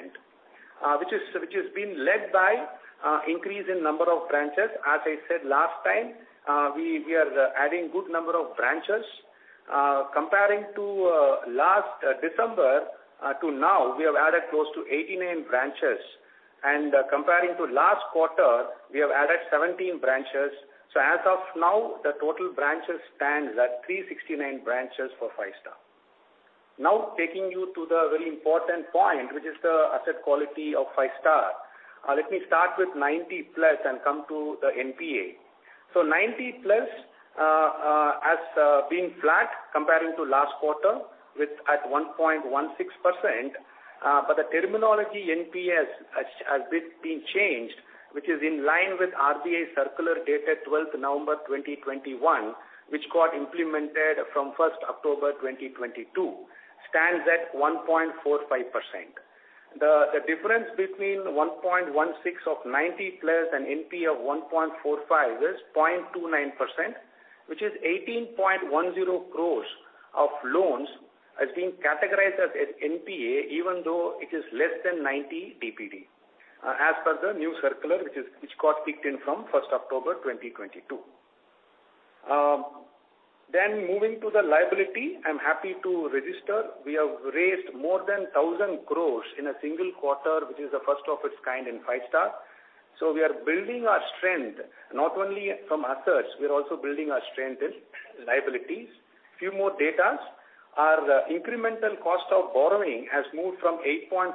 Percent, which is being led by increase in number of branches. As I said last time, we are adding good number of branches. Comparing to last December, to now, we have added close to 89 branches. Comparing to last quarter, we have added 17 branches. As of now, the total branches stands at 369 branches for Five star. Taking you to the very important point, which is the asset quality of Five Star. Let me start with 90+ and come to the NPA. 90+ has been flat comparing to last quarter with at 1.16%. The terminology NPA has been changed, which is in line with RBI circular dated 12th November 2021, which got implemented from 1st October 2022, stands at 1.45%. The difference between 1.16 of 90+ and NPA of 1.45 is 0.29%, which is 18.10 crores of loans has been categorized as NPA, even though it is less than 90 DPD, as per the new circular, which got kicked in from 1st October 2022. Moving to the liability, I'm happy to register. We have raised more than 1,000 crores in a single quarter, which is the first of its kind in Five Star. We are building our strength, not only from assets, we are also building our strength in liabilities. Few more datas. Our incremental cost of borrowing has moved from 8.5%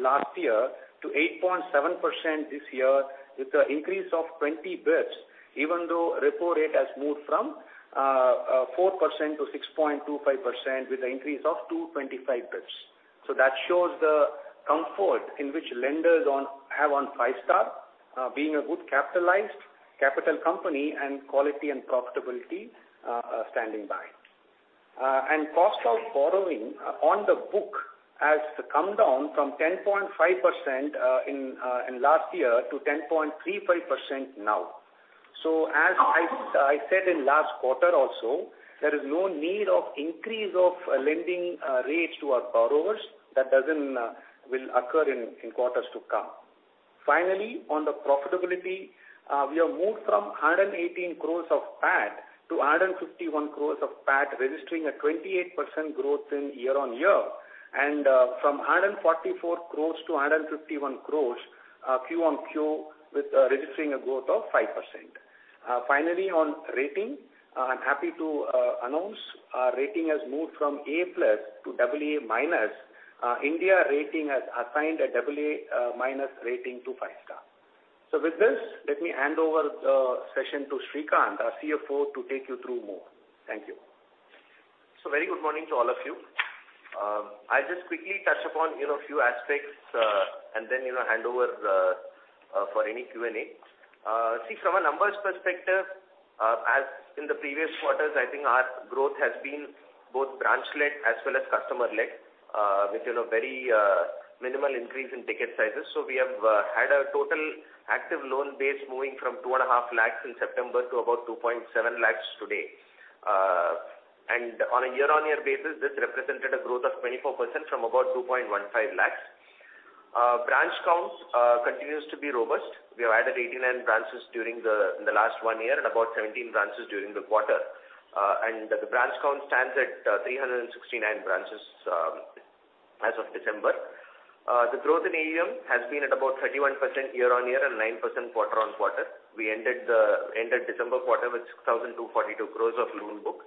last year to 8.7% this year with an increase of 20 bits, even though repo rate has moved from 4%-6.25% with an increase of 225 bits. That shows the comfort in which lenders have on Five Star, being a good capitalized capital company and quality and profitability standing by. And cost of borrowing on the book has come down from 10.5% in last year to 10.35% now. As I said in last quarter also, there is no need of increase of lending rates to our borrowers. That doesn't will occur in quarters to come. On the profitability, we have moved from 118 crores of PAT to 151 crores of PAT, registering a 28% growth in year-on-year and from 144 crores to 151 crores Q-on-Q with registering a growth of 5%. On rating, I'm happy to announce our rating has moved from A+ to AA-. India rating has assigned a AA- rating to Five-Star. With this, let me hand over the session to Srikanth, our CFO, to take you through more. Thank you. Very good morning to all of you. I'll just quickly touch upon, you know, a few aspects, and then, you know, hand over the for any Q&A. See, from a numbers perspective, as in the previous quarters, I think our growth has been both branch-led as well as customer-led, which is a very minimal increase in ticket sizes. We have had a total active loan base moving from 2.5 lakhs in September to about 2.7 lakhs today. And on a year-on-year basis, this represented a growth of 24% from about 2.15 lakhs. Branch counts continues to be robust. We have added 89 branches during the last one year and about 17 branches during the quarter. The branch count stands at 369 branches as of December. The growth in AUM has been at about 31% year-on-year and 9% quarter-on-quarter. We ended December quarter with 6,242 crore of loan book.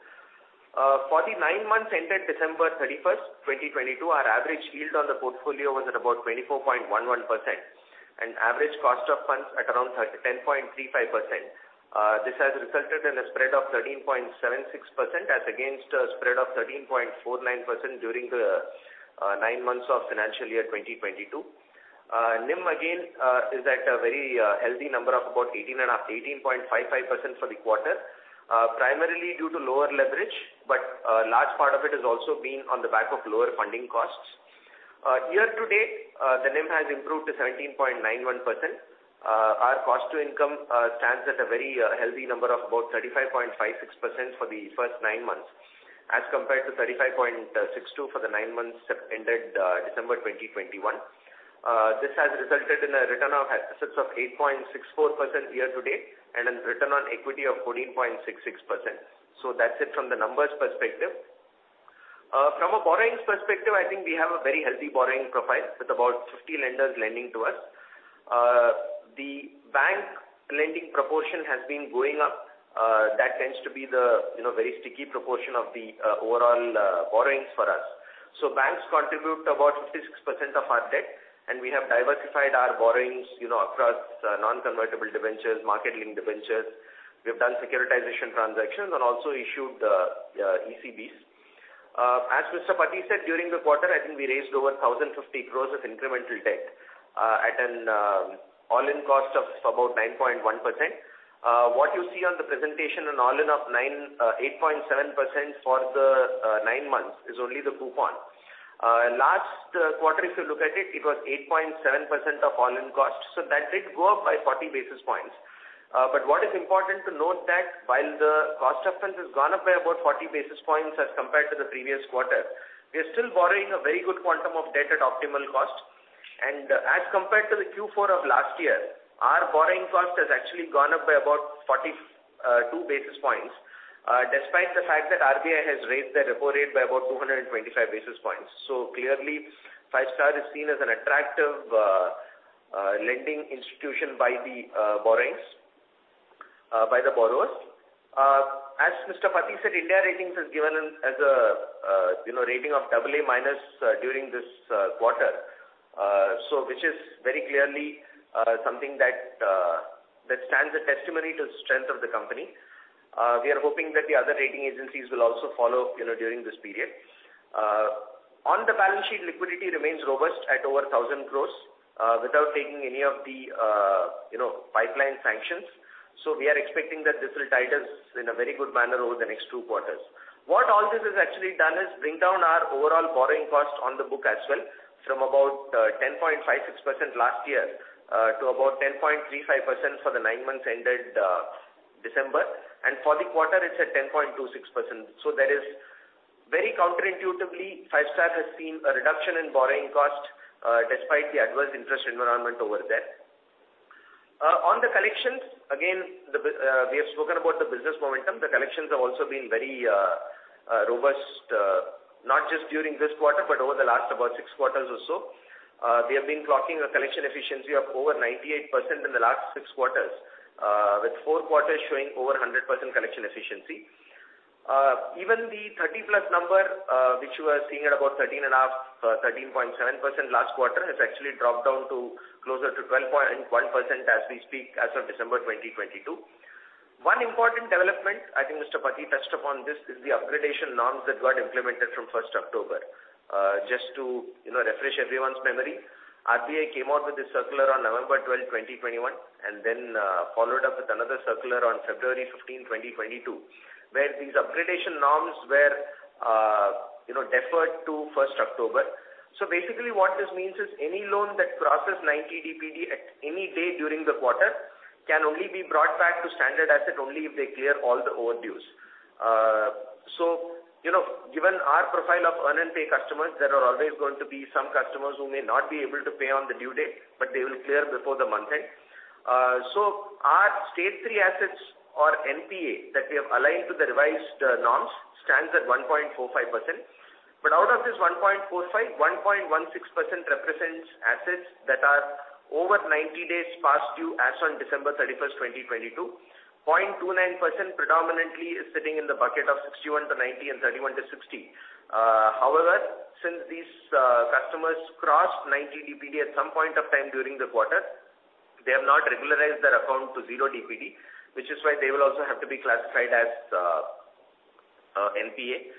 For the nine months ended December 31st, 2022, our average yield on the portfolio was at about 24.11% and average cost of funds at around 10.35%. This has resulted in a spread of 13.76% as against a spread of 13.49% during the 9 months of financial year 2022. NIM again, is at a very healthy number of about 18.5, 18.55% for the quarter, primarily due to lower leverage, but a large part of it is also being on the back of lower funding costs. year-to-date, the NIM has improved to 17.91%. Our cost to income stands at a very healthy number of about 35.56% for the first nine months as compared to 35.62% for the nine months Sep- ended December 2021. This has resulted in a return on assets of 8.64% year-to-date and a return on equity of 14.66%. That's it from the numbers perspective. From a borrowings perspective, I think we have a very healthy borrowing profile with about 50 lenders lending to us. The bank lending proportion has been going up. That tends to be the, you know, very sticky proportion of the overall borrowings for us. Banks contribute about 56% of our debt, and we have diversified our borrowings, you know, across non-convertible debentures, market-linked debentures. We have done securitization transactions and also issued ECBs. As Mr. Pati said, during the quarter, I think we raised over 1,050 crores of incremental debt at an all-in cost of about 9.1%. What you see on the presentation, an all-in of 8.7% for the 9 months is only the coupon. Last quarter, if you look at it was 8.7% of all-in cost. That did go up by 40 basis points. What is important to note that while the cost of funds has gone up by about 40 basis points as compared to the previous quarter, we are still borrowing a very good quantum of debt at optimal cost. As compared to the Q4 of last year, our borrowing cost has actually gone up by about 42 basis points despite the fact that RBI has raised their repo rate by about 225 basis points. Clearly, Five Star is seen as an attractive lending institution by the borrowings by the borrowers. As Mr. Pati said, India Ratings has given us as a, you know, rating of AA- during this quarter. Which is very clearly something that stands a testimony to the strength of the company. We are hoping that the other rating agencies will also follow, you know, during this period. On the balance sheet, liquidity remains robust at over 1,000 crores, without taking any of the, you know, pipeline sanctions. We are expecting that this will tide us in a very good manner over the next 2 quarters. What all this has actually done is bring down our overall borrowing cost on the book as well from about 10.56% last year, to about 10.35% for the nine months ended December. For the quarter, it's at 10.26%. There is very counterintuitively, Five-Star has seen a reduction in borrowing cost, despite the adverse interest environment over there. On the collections, again, we have spoken about the business momentum. The collections have also been very robust, not just during this quarter but over the last about 6 quarters or so. We have been clocking a collection efficiency of over 98% in the last 6 quarters, with 4 quarters showing over 100% collection efficiency. Even the 30-plus number, which you were seeing at about 13.5, 13.7% last quarter, has actually dropped down to closer to 12.1% as we speak as of December 2022. One important development, I think Mr. Pati touched upon this, is the upgradation norms that got implemented from first October. Just to, you know, refresh everyone's memory, RBI came out with this circular on November 12, 2021, and then followed up with another circular on February 15, 2022, where these upgradation norms were, you know, deferred to first October. Basically what this means is any loan that crosses 90 DPD at any day during the quarter can only be brought back to standard asset only if they clear all the overdues. you know, given our profile of earn and pay customers, there are always going to be some customers who may not be able to pay on the due date, but they will clear before the month end. Our stage three assets or NPA that we have aligned to the revised norms stands at 1.45%. Out of this 1.45%, 1.16% represents assets that are over 90 days past due as on December 31, 2022. 0.29% predominantly is sitting in the bucket of 61-90 and 31-60. Since these customers crossed 90 DPD at some point of time during the quarter, they have not regularized their account to 0 DPD, which is why they will also have to be classified as NPA.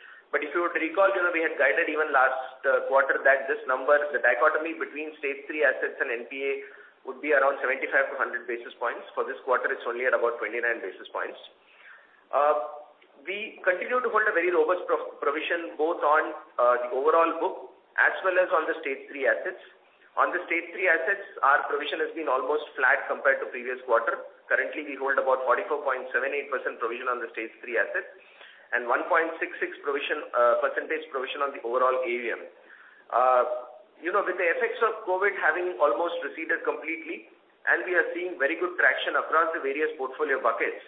If you were to recall, you know, we had guided even last quarter that this number, the dichotomy between stage three assets and NPA, would be around 75-100 basis points. For this quarter, it's only at about 29 basis points. We continue to hold a very robust pro-provision both on the overall book as well as on the Stage 3 assets. On the Stage 3 assets, our provision has been almost flat compared to previous quarter. Currently, we hold about 44.78% provision on the Stage 3 assets and 1.66 provision, % provision on the overall AUM. You know, with the effects of COVID having almost receded completely, we are seeing very good traction across the various portfolio buckets,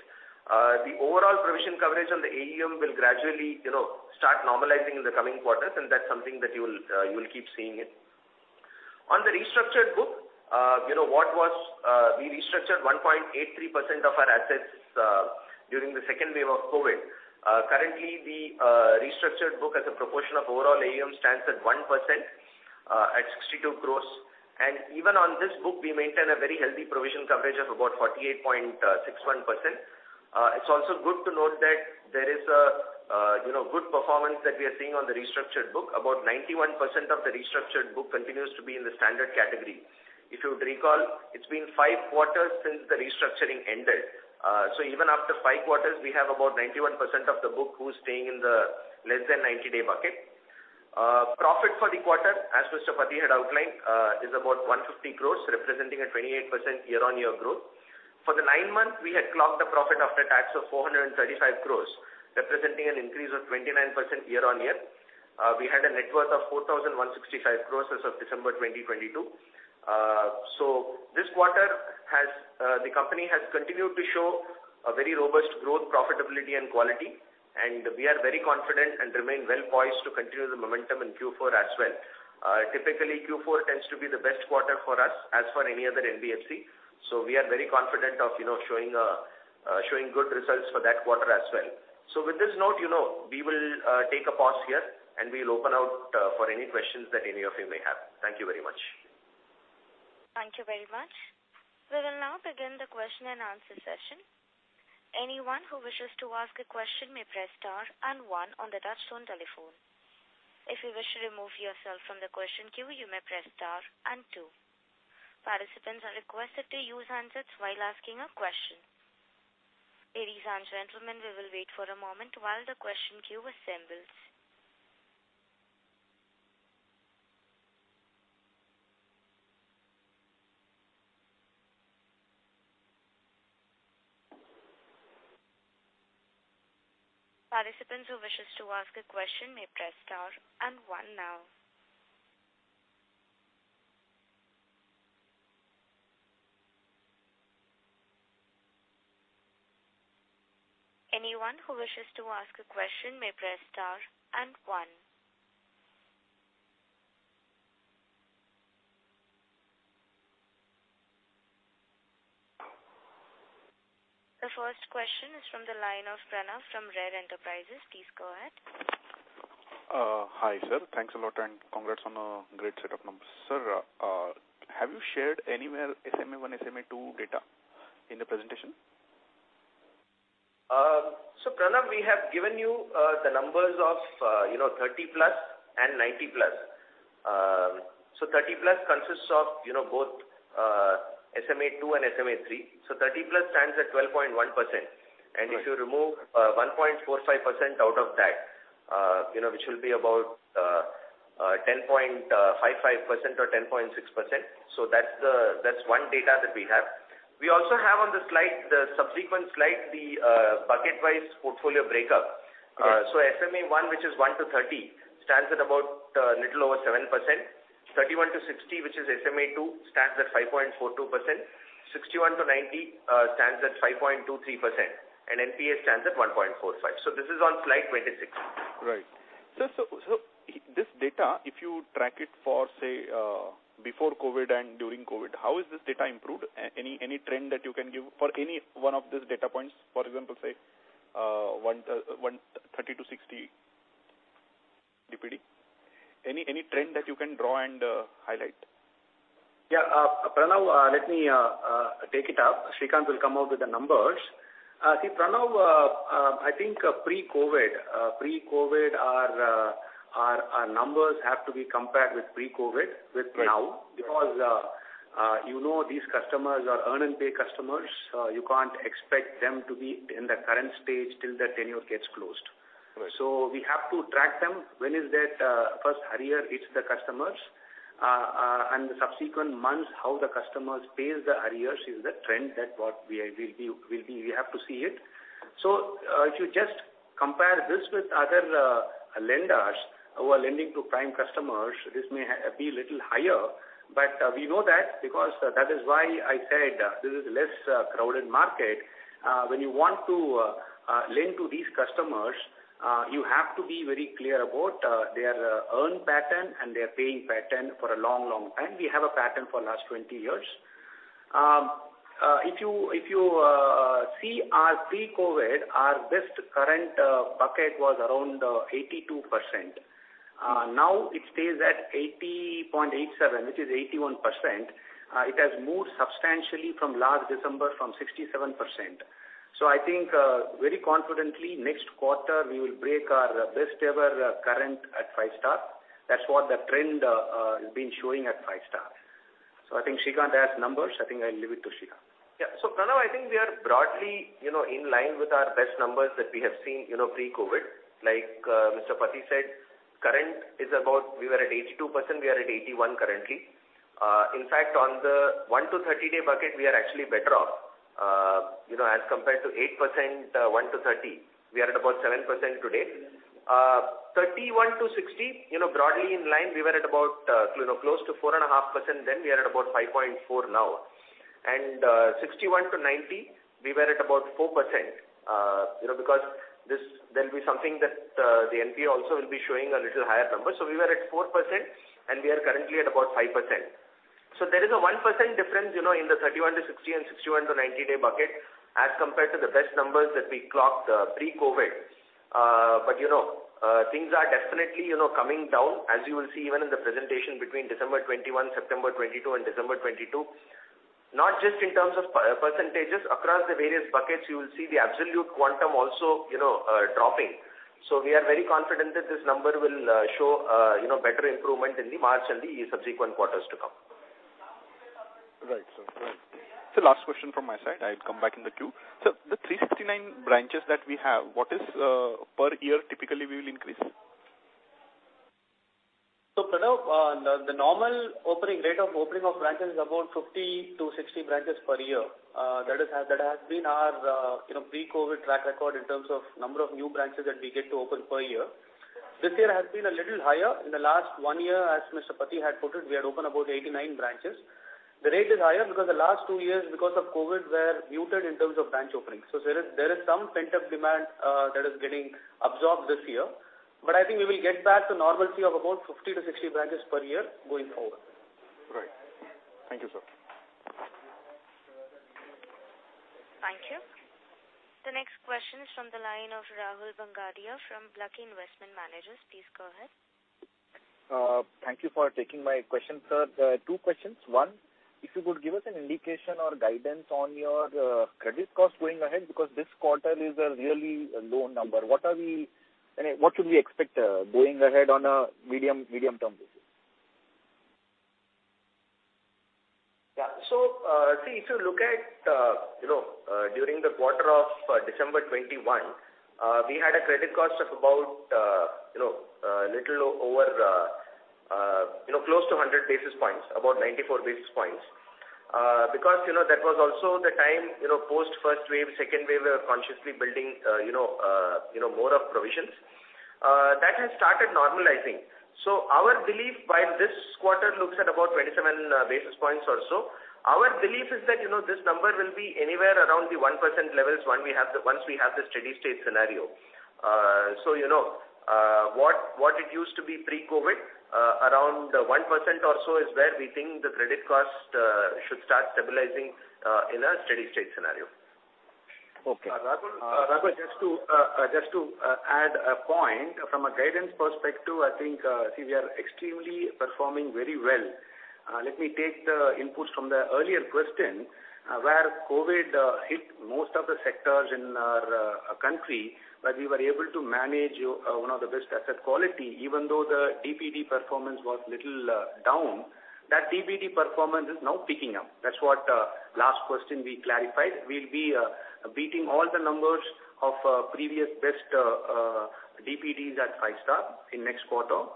the overall provision coverage on the AUM will gradually, you know, start normalizing in the coming quarters, that's something that you will keep seeing it. On the restructured book, you know, what was, we restructured 1.83% of our assets during the second wave of COVID. Currently the restructured book as a proportion of overall AUM stands at 1%, at 62 crores. Even on this book, we maintain a very healthy provision coverage of about 48.61%. It's also good to note that there is a, you know, good performance that we are seeing on the restructured book. About 91% of the restructured book continues to be in the standard category. If you would recall, it's been 5 quarters since the restructuring ended. Even after 5 quarters, we have about 91% of the book who's staying in the less than 90-day bucket. Profit for the quarter, as Mr. Pati had outlined is about 150 crores, representing a 28% year-on-year growth. For the nine months, we had clocked a profit after tax of 435 crores, representing an increase of 29% year-on-year. We had a net worth of 4,165 crores as of December 2022. The company has continued to show a very robust growth, profitability and quality, and we are very confident and remain well poised to continue the momentum in Q4 as well. Typically, Q4 tends to be the best quarter for us as for any other NBFC. We are very confident of, you know, showing good results for that quarter as well. With this note, you know, we will take a pause here, and we'll open out for any questions that any of you may have. Thank you very much. Thank you very much. We will now begin the question and answer session. Anyone who wishes to ask a question may press star and one on the touchtone telephone. If you wish to remove yourself from the question queue, you may press star and two. Participants are requested to use handsets while asking a question. Ladies and gentlemen, we will wait for a moment while the question queue assembles. Participants who wishes to ask a question may press star and one now. Anyone who wishes to ask a question may press star and one. The first question is from the line of Pranav from Pranav Reddy. Please go ahead. Hi, sir. Thanks a lot and congrats on a great set of numbers. Sir, have you shared anywhere SMA-1, SMA-2 data in the presentation? Pranav, we have given you the numbers of 30+ and 90+. 30+ consists of both SMA-2 and SMA Three. 30+ stands at 12.1%. Right. If you remove 1.45% out of that, you know, which will be about 10.55% or 10.6%. That's one data that we have. We also have on the slide, the subsequent slide, the bucket-wise portfolio break up. Uh- SMA-1, which is 1-30, stands at about little over 7%. 31-60, which is SMA-2, stands at 5.42%. 61-90 stands at 5.23%, and NPA stands at 1.45%. This is on slide 26. Right. This data, if you track it for, say, before COVID and during COVID, how is this data improved? Any trend that you can give for any one of these data points, for example, say, one, 30-60 DPD? Any trend that you can draw and highlight? Pranav, let me take it up. Srikanth will come out with the numbers. See, Pranav, I think pre-COVID our numbers have to be compared with pre-COVID with now. Right. You know, these customers are earn and pay customers. You can't expect them to be in the current stage till the tenure gets closed. Right. We have to track them. When is that first arrear hits the customers, and the subsequent months, how the customers pays the arrears is the trend that what we'll be. We have to see it. If you just compare this with other lenders who are lending to prime customers, this may be little higher, but we know that because that is why I said, this is less crowded market. When you want to lend to these customers, you have to be very clear about their earn pattern and their paying pattern for a long, long time. We have a pattern for last 20 years. If you see our pre-COVID, our best current bucket was around 82%. Now it stays at 80.87, which is 81%. It has moved substantially from last December from 67%. Very confidently next quarter we will break our best ever current at Five Star. That's what the trend has been showing at Five Star. Srikanth has numbers. I think I'll leave it to Srikanth. Yeah. Pranav, I think we are broadly, you know, in line with our best numbers that we have seen, you know, pre-COVID. Like, Mr. Pati said, current is about, we were at 82%, we are at 81% currently. In fact, on the 1-30-day bucket, we are actually better off, you know, as compared to 8%, 1-30, we are at about 7% today. 31-60, you know, broadly in line, we were at about, you know, close to 4.5% then. We are at about 5.4% now. 61-90, we were at about 4%, you know, because this, there'll be something that, the NPA also will be showing a little higher number. We were at 4% and we are currently at about 5%. There is a 1% difference, you know, in the 31-60 and 61-90-day bucket as compared to the best numbers that we clocked pre-COVID. Things are definitely, you know, coming down as you will see even in the presentation between December 2021, September 2022, and December 2022. Not just in terms of per-percentages. Across the various buckets, you will see the absolute quantum also, you know, dropping. We are very confident that this number will show, you know, better improvement in the March and the subsequent quarters to come. Right. Last question from my side. I'll come back in the queue. The 369 branches that we have, what is per year typically we will increase? Pranav, the normal opening, rate of opening of branches is about 50-60 branches per year. That is, that has been our, you know, pre-COVID track record in terms of number of new branches that we get to open per year. This year has been a little higher. In the last one year, as Mr. Pati had put it, we had opened about 89 branches. The rate is higher because the last two years, because of COVID, were muted in terms of branch openings. There is some pent-up demand that is getting absorbed this year. I think we will get back to normalcy of about 50-60 branches per year going forward. Right. Thank you, sir. Thank you. The next question is from the line of Rahul Bangadia from BanyanTree Investment Managers. Please go ahead. Thank you for taking my question, sir. There are two questions. 1, if you could give us an indication or guidance on your credit cost going ahead, because this quarter is a really low number. What should we expect going ahead on a medium term basis? Yeah. See, if you look at, you know, during the quarter of December 2021, we had a credit cost of about, you know, little over, you know, close to 100 basis points, about 94 basis points. Because, you know, that was also the time, you know, post first wave, second wave, we were consciously building, you know, more of provisions. That has started normalizing. Our belief while this quarter looks at about 27 basis points or so, our belief is that, you know, this number will be anywhere around the 1% levels once we have the steady state scenario. You know, what it used to be pre-COVID, around 1% or so is where we think the credit cost should start stabilizing in a steady state scenario. Okay. Rahul, just to add a point from a guidance perspective, I think, see, we are extremely performing very well. Let me take the inputs from the earlier question, where COVID hit most of the sectors in our country, but we were able to manage one of the best asset quality, even though the DPD performance was little down. That DPD performance is now picking up. That's what last question we clarified. We'll be beating all the numbers of previous best DPDs at Five Star in next quarter.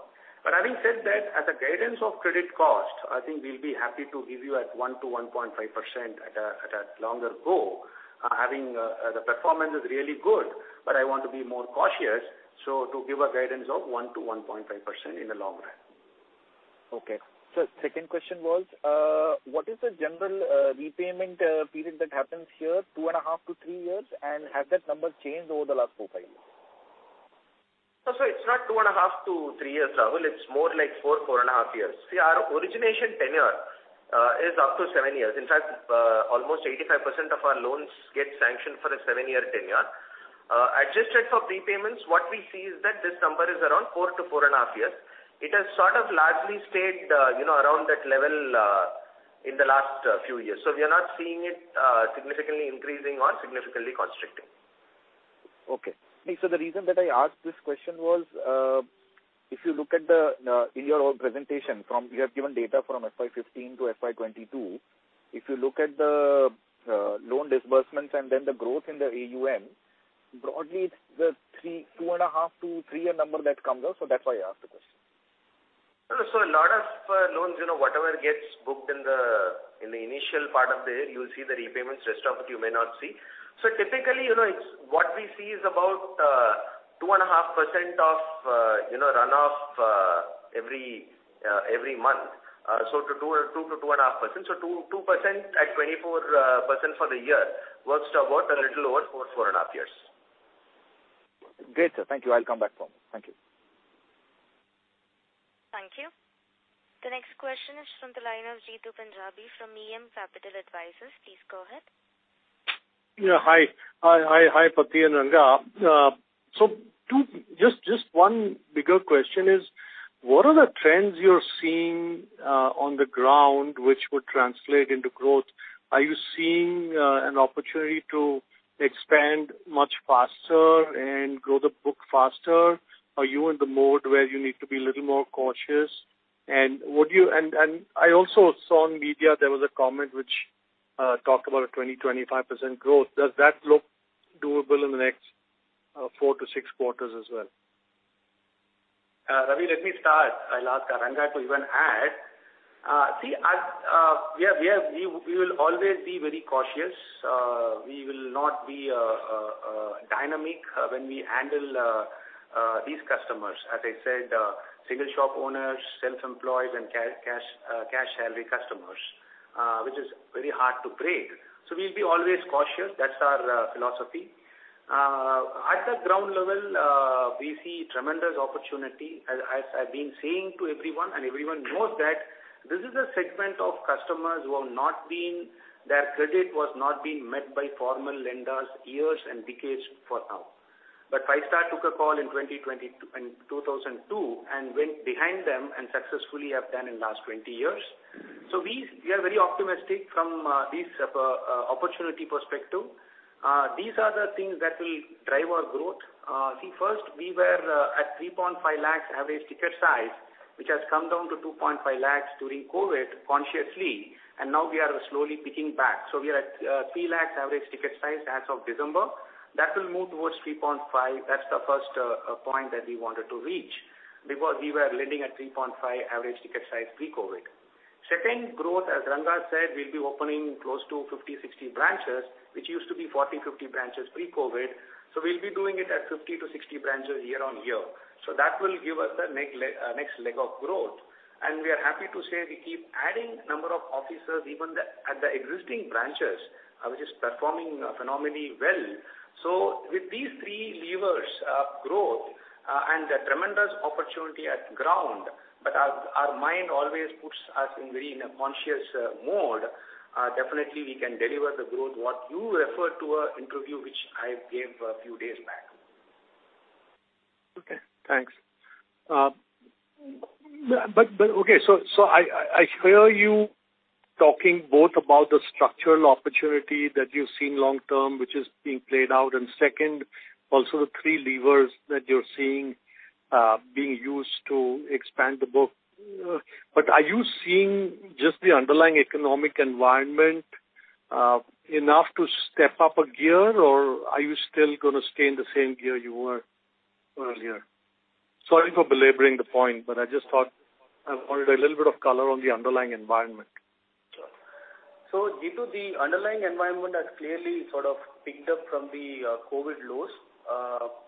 Having said that, as a guidance of credit cost, I think we'll be happy to give you at 1%-1.5% at a longer go. Having the performance is really good, but I want to be more cautious, so to give a guidance of 1%-1.5% in the long run. Okay. Sir, second question was, what is the general repayment period that happens here, two and a half to three years, and has that number changed over the last four, five years? It's not two and a half to three years, Rahul. It's more like four and a half years. Our origination tenure is up to seven years. In fact, almost 85% of our loans get sanctioned for a seven-year tenure. Adjusted for prepayments, what we see is that this number is around four to four and a half years. It has sort of largely stayed, you know, around that level, in the last few years. We are not seeing it significantly increasing or significantly constricting. The reason that I asked this question was, if you look at the in your own presentation from, you have given data from FY15 to FY22. If you look at the loan disbursements and then the growth in the AUM, broadly it's the three, two and a half to three year number that comes out, that's why I asked the question. No, no. A lot of loans, you know, whatever gets booked in the initial part of the year, you'll see the repayments. Rest of it you may not see. Typically, you know, it's what we see is about 2.5% of, you know, run off every month. 2%-2.5%. 2% at 24% for the year works to about a little over 4.5 years. Great, sir. Thank you. I'll come back for more. Thank you. Thank you. The next question is from the line of Jitu Panjabi from EM Capital Advisors. Please go ahead. Yeah, hi. Hi, hi, Pati and Ranga. Just one bigger question is what are the trends you're seeing on the ground which would translate into growth? Are you seeing an opportunity to expand much faster and grow the book faster? Are you in the mode where you need to be a little more cautious? I also saw in media there was a comment which talked about a 20-25% growth. Does that look doable in the next 4-6 quarters as well? Ravi, let me start. I'll ask Ranga to even add. As we will always be very cautious. We will not be dynamic when we handle these customers. As I said, single shop owners, self-employed and cash salary customers, which is very hard to grade. We'll be always cautious. That's our philosophy. At the ground level, we see tremendous opportunity. As I've been saying to everyone and everyone knows that this is a segment of customers who have not been, their credit was not being met by formal lenders years and decades for now. Five Star took a call in 2002 and went behind them and successfully have done in last 20 years. We are very optimistic from this opportunity perspective. These are the things that will drive our growth. First we were at 3.5 lakhs average ticket size, which has come down to 2.5 lakhs during COVID consciously, and now we are slowly picking back. We are at 3 lakhs average ticket size as of December. That will move towards 3.5 lakhs. That's the first point that we wanted to reach because we were lending at 3.5 lakhs average ticket size pre-COVID. Second growth, as Ranga said, we'll be opening close to 50-60 branches, which used to be 40-50 branches pre-COVID. We'll be doing it at 50-60 branches year-over-year. That will give us the next leg of growth. We are happy to say we keep adding number of officers at the existing branches, which is performing phenomenally well. With these three levers of growth, and the tremendous opportunity at ground, our mind always puts us in a conscious mode, definitely we can deliver the growth, what you referred to a interview which I gave a few days back. Okay, thanks. Okay. I hear you talking both about the structural opportunity that you're seeing long term, which is being played out, and second, also the three levers that you're seeing, being used to expand the book. Are you seeing just the underlying economic environment, enough to step up a gear, or are you still gonna stay in the same gear you were earlier? Sorry for belaboring the point, but I just thought I wanted a little bit of color on the underlying environment. Due to the underlying environment has clearly sort of picked up from the COVID lows.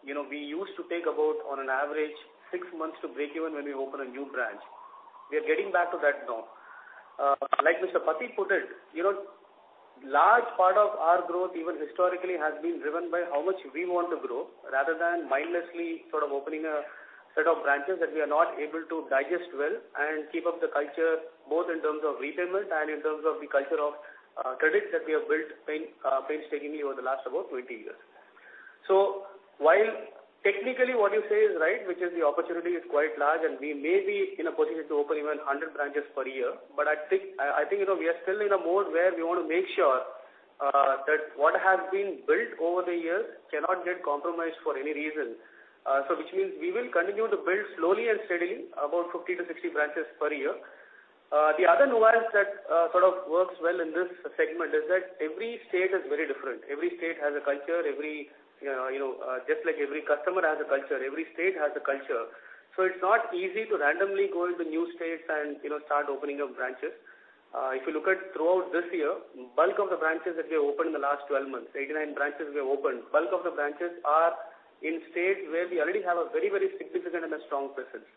You know, we used to take about on an average six months to break even when we open a new branch. We are getting back to that now. Like Mr. Patil put it, you know, large part of our growth even historically has been driven by how much we want to grow rather than mindlessly sort of opening a set of branches that we are not able to digest well and keep up the culture both in terms of repayment and in terms of the culture of credits that we have built painstakingly over the last about 20 years. While technically what you say is right, which is the opportunity is quite large, and we may be in a position to open even 100 branches per year. I think, you know, we are still in a mode where we wanna make sure that what has been built over the years cannot get compromised for any reason. Which means we will continue to build slowly and steadily about 50 to 60 branches per year. The other nuance that sort of works well in this segment is that every state is very different. Every state has a culture. Every, you know, just like every customer has a culture, every state has a culture. It's not easy to randomly go into new states and, you know, start opening up branches. If you look at throughout this year, bulk of the branches that we opened in the last 12 months, 89 branches we opened, bulk of the branches are in states where we already have a very, very significant and a strong presence.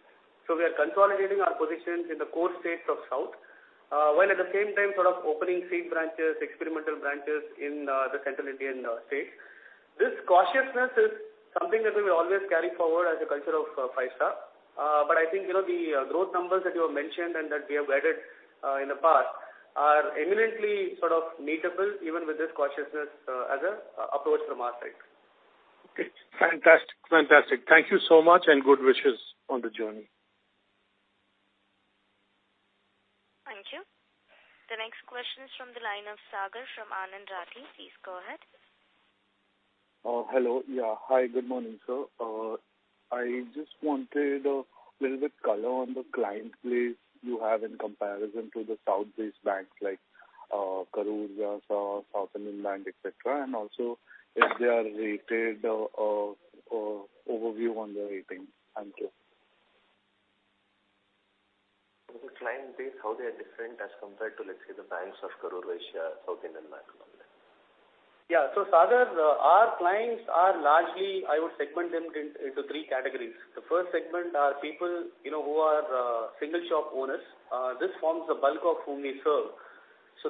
We are consolidating our positions in the core states of south, while at the same time sort of opening seed branches, experimental branches in the central Indian states. This cautiousness is something that we will always carry forward as a culture of Five Star. I think, you know, the growth numbers that you have mentioned and that we have added in the past are imminently sort of meetable even with this cautiousness as a approach from our side. Okay. Fantastic. Fantastic. Thank you so much and good wishes on the journey. Thank you. The next question is from the line of Sagar from Anand Rathi. Please go ahead. Hello. Hi, good morning, sir. I just wanted a little bit color on the client base you have in comparison to the South-based banks like Karur Vysya Bank or South Indian Bank, et cetera, and also if they are rated or overview on their rating. Thank you. The client base, how they are different as compared to, let's say, the banks of Karur Vysya Bank, South Indian Bank. Yeah. Sagar, our clients are largely, I would segment them into three categories. The first segment are people, you know, who are single shop owners. This forms the bulk of whom we serve.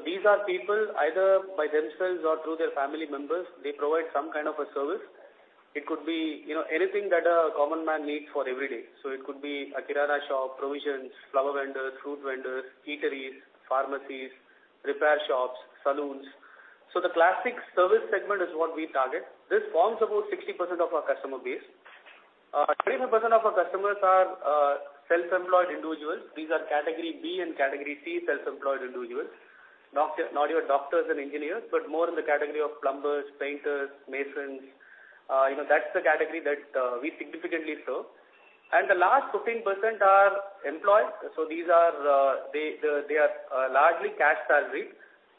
These are people either by themselves or through their family members, they provide some kind of a service. It could be, you know, anything that a common man needs for every day. It could be a Kirana shop, provisions, flower vendors, fruit vendors, eateries, pharmacies, repair shops, salons. The classic service segment is what we target. This forms about 60% of our customer base. 25% of our customers are self-employed individuals. These are category B and category C self-employed individuals. Doctor, not your doctors and engineers, but more in the category of plumbers, painters, masons, you know, that's the category that we significantly serve. The last 15% are employed. These are, they are largely cash salary,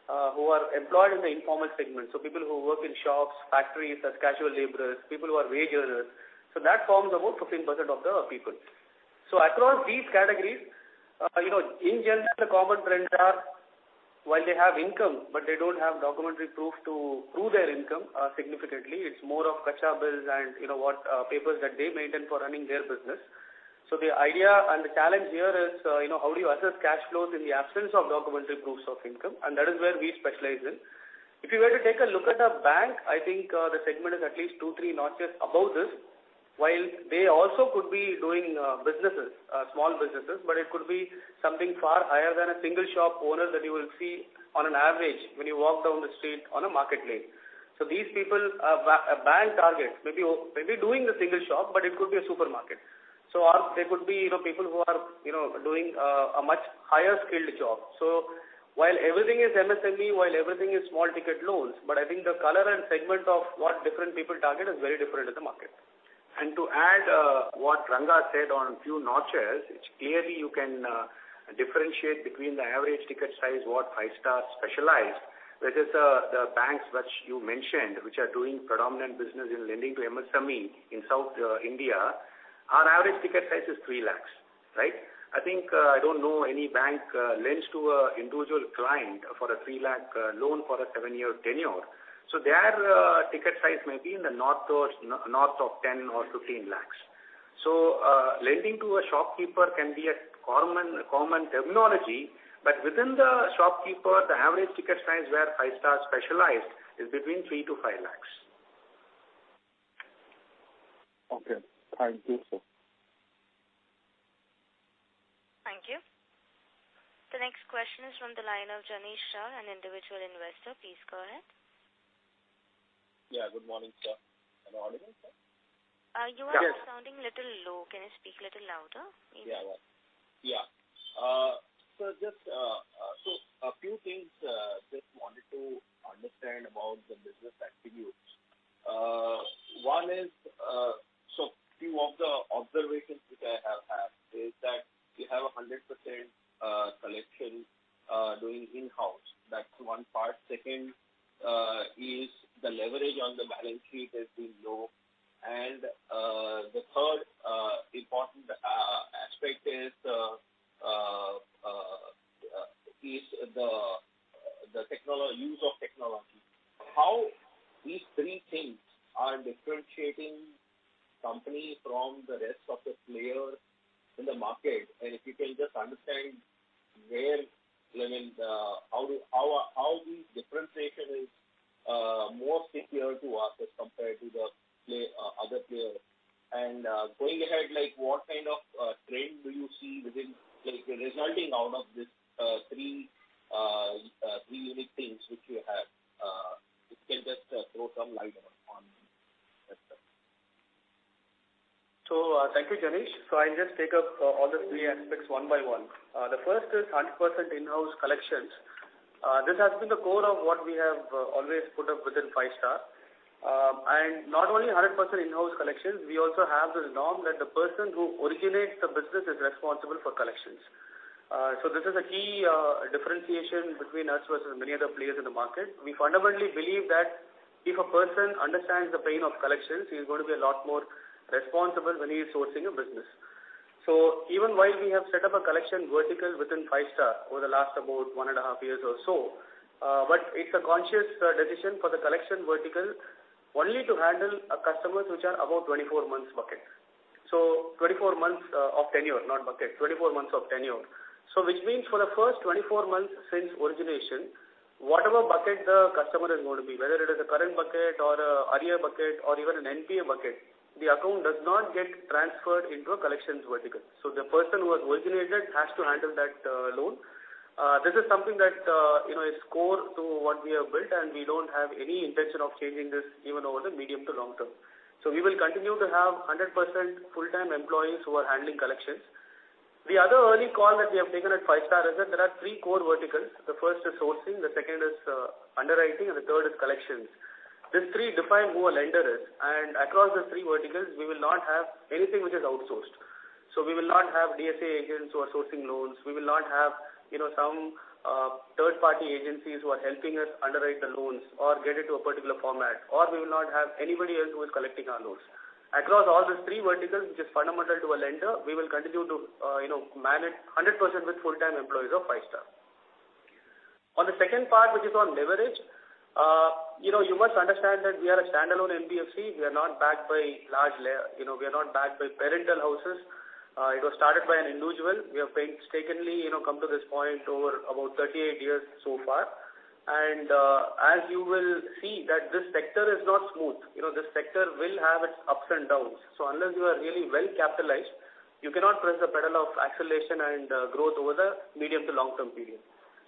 who are employed in the informal segment. People who work in shops, factories as casual laborers, people who are wage earners. That forms about 15% of the people. Across these categories, you know, in general, the common trends are while they have income, but they don't have documentary proof to prove their income significantly. It's more of kaccha bills and, you know, what papers that they maintain for running their business. The idea and the challenge here is, you know, how do you assess cash flows in the absence of documentary proofs of income? That is where we specialize in. If you were to take a look at a bank, I think, the segment is at least 2, 3 notches above this. While they also could be doing businesses, small businesses, but it could be something far higher than a single shop owner that you will see on an average when you walk down the street on a market lane. These people, a bank targets may be doing the single shop, but it could be a supermarket. They could be, you know, people who are, you know, doing a much higher skilled job. While everything is MSME, while everything is small ticket loans, but I think the color and segment of what different people target is very different in the market. To add what Ranga said on a few notches, it's clearly you can differentiate between the average ticket size, what Five Star specialize versus the banks which you mentioned, which are doing predominant business in lending to MSME in South India. Our average ticket size is 3 lakhs, right? I think, I don't know any bank lends to a individual client for an 3 lakh loan for a seven year tenure. Their ticket size may be in the north or north of 10 lakhs or 15 lakhs. Lending to a shopkeeper can be a common terminology, but within the shopkeeper, the average ticket size where Five Star specialized is between 3 lakhs-5 lakhs. Okay. Thank you, sir. Thank you. The next question is from the line of Jinesh Shah, an individual investor. Please go ahead. Yeah, good morning, sir. Good morning, sir. You are sounding little low. Can you speak little louder? Yeah. Yeah. A few things, just wanted to understand about the business attributes. One is, so few of the observations which I have had is that- We have a 100% collection doing in-house. That's one part. Second, is the leverage on the balance sheet has been low. The third important aspect is the use of technology. How these three things are differentiating company from the rest of the players in the market, and if you can just understand where, I mean, the, how this differentiation is more secure to us as compared to the other player? Going ahead, like, what kind of trend do you see within, like, resulting out of this three unique things which you have? If you can just throw some light on them. That's it. Thank you, Jinesh. I'll just take up all the three aspects one by one. The first is 100% in-house collections. This has been the core of what we have always put up within Five Star. Not only 100% in-house collections, we also have this norm that the person who originates the business is responsible for collections. This is a key differentiation between us versus many other players in the market. We fundamentally believe that if a person understands the pain of collections, he's going to be a lot more responsible when he's sourcing a business. Even while we have set up a collection vertical within Five Star over the last about one and a half years or so, but it's a conscious decision for the collection vertical only to handle customers which are above 24 months buckets. 24 months of tenure, not bucket. 24 months of tenure. Which means for the first 24 months since origination, whatever bucket the customer is going to be, whether it is a current bucket or a earlier bucket or even an NPA bucket, the account does not get transferred into a collections vertical. The person who has originated has to handle that loan. This is something that, you know, is core to what we have built, and we don't have any intention of changing this even over the medium to long term. We will continue to have 100% full-time employees who are handling collections. The other early call that we have taken at Five Star is that there are three core verticals. The first is sourcing, the second is underwriting, and the third is collections. These three define who a lender is. Across the three verticals, we will not have anything which is outsourced. We will not have DSA agents who are sourcing loans. We will not have, you know, some third-party agencies who are helping us underwrite the loans or get it to a particular format, or we will not have anybody else who is collecting our loans. Across all these three verticals, which is fundamental to a lender, we will continue to, you know, manage 100% with full-time employees of Five Star. On the second part, which is on leverage, you know, you must understand that we are a standalone NBFC. We are not backed by large layer. You know, we are not backed by parental houses. It was started by an individual. We have painstakingly, you know, come to this point over about 38 years so far. As you will see that this sector is not smooth. You know, this sector will have its ups and downs. Unless you are really well capitalized, you cannot press the pedal of acceleration and growth over the medium to long term period.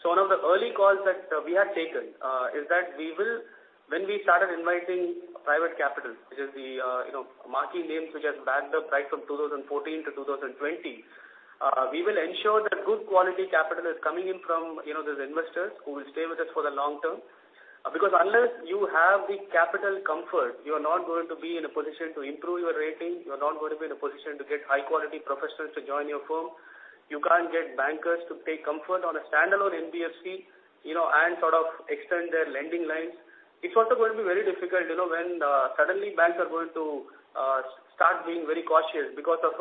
One of the early calls that we had taken is that we will... when we started inviting private capital, which is the, you know, marquee names which has backed up right from 2014 to 2020, we will ensure that good quality capital is coming in from, you know, these investors who will stay with us for the long term. Unless you have the capital comfort, you are not going to be in a position to improve your rating. You're not going to be in a position to get high quality professionals to join your firm. You can't get bankers to take comfort on a standalone NBFC, you know, and sort of extend their lending lines. It's also going to be very difficult, you know, when suddenly banks are going to start being very cautious because of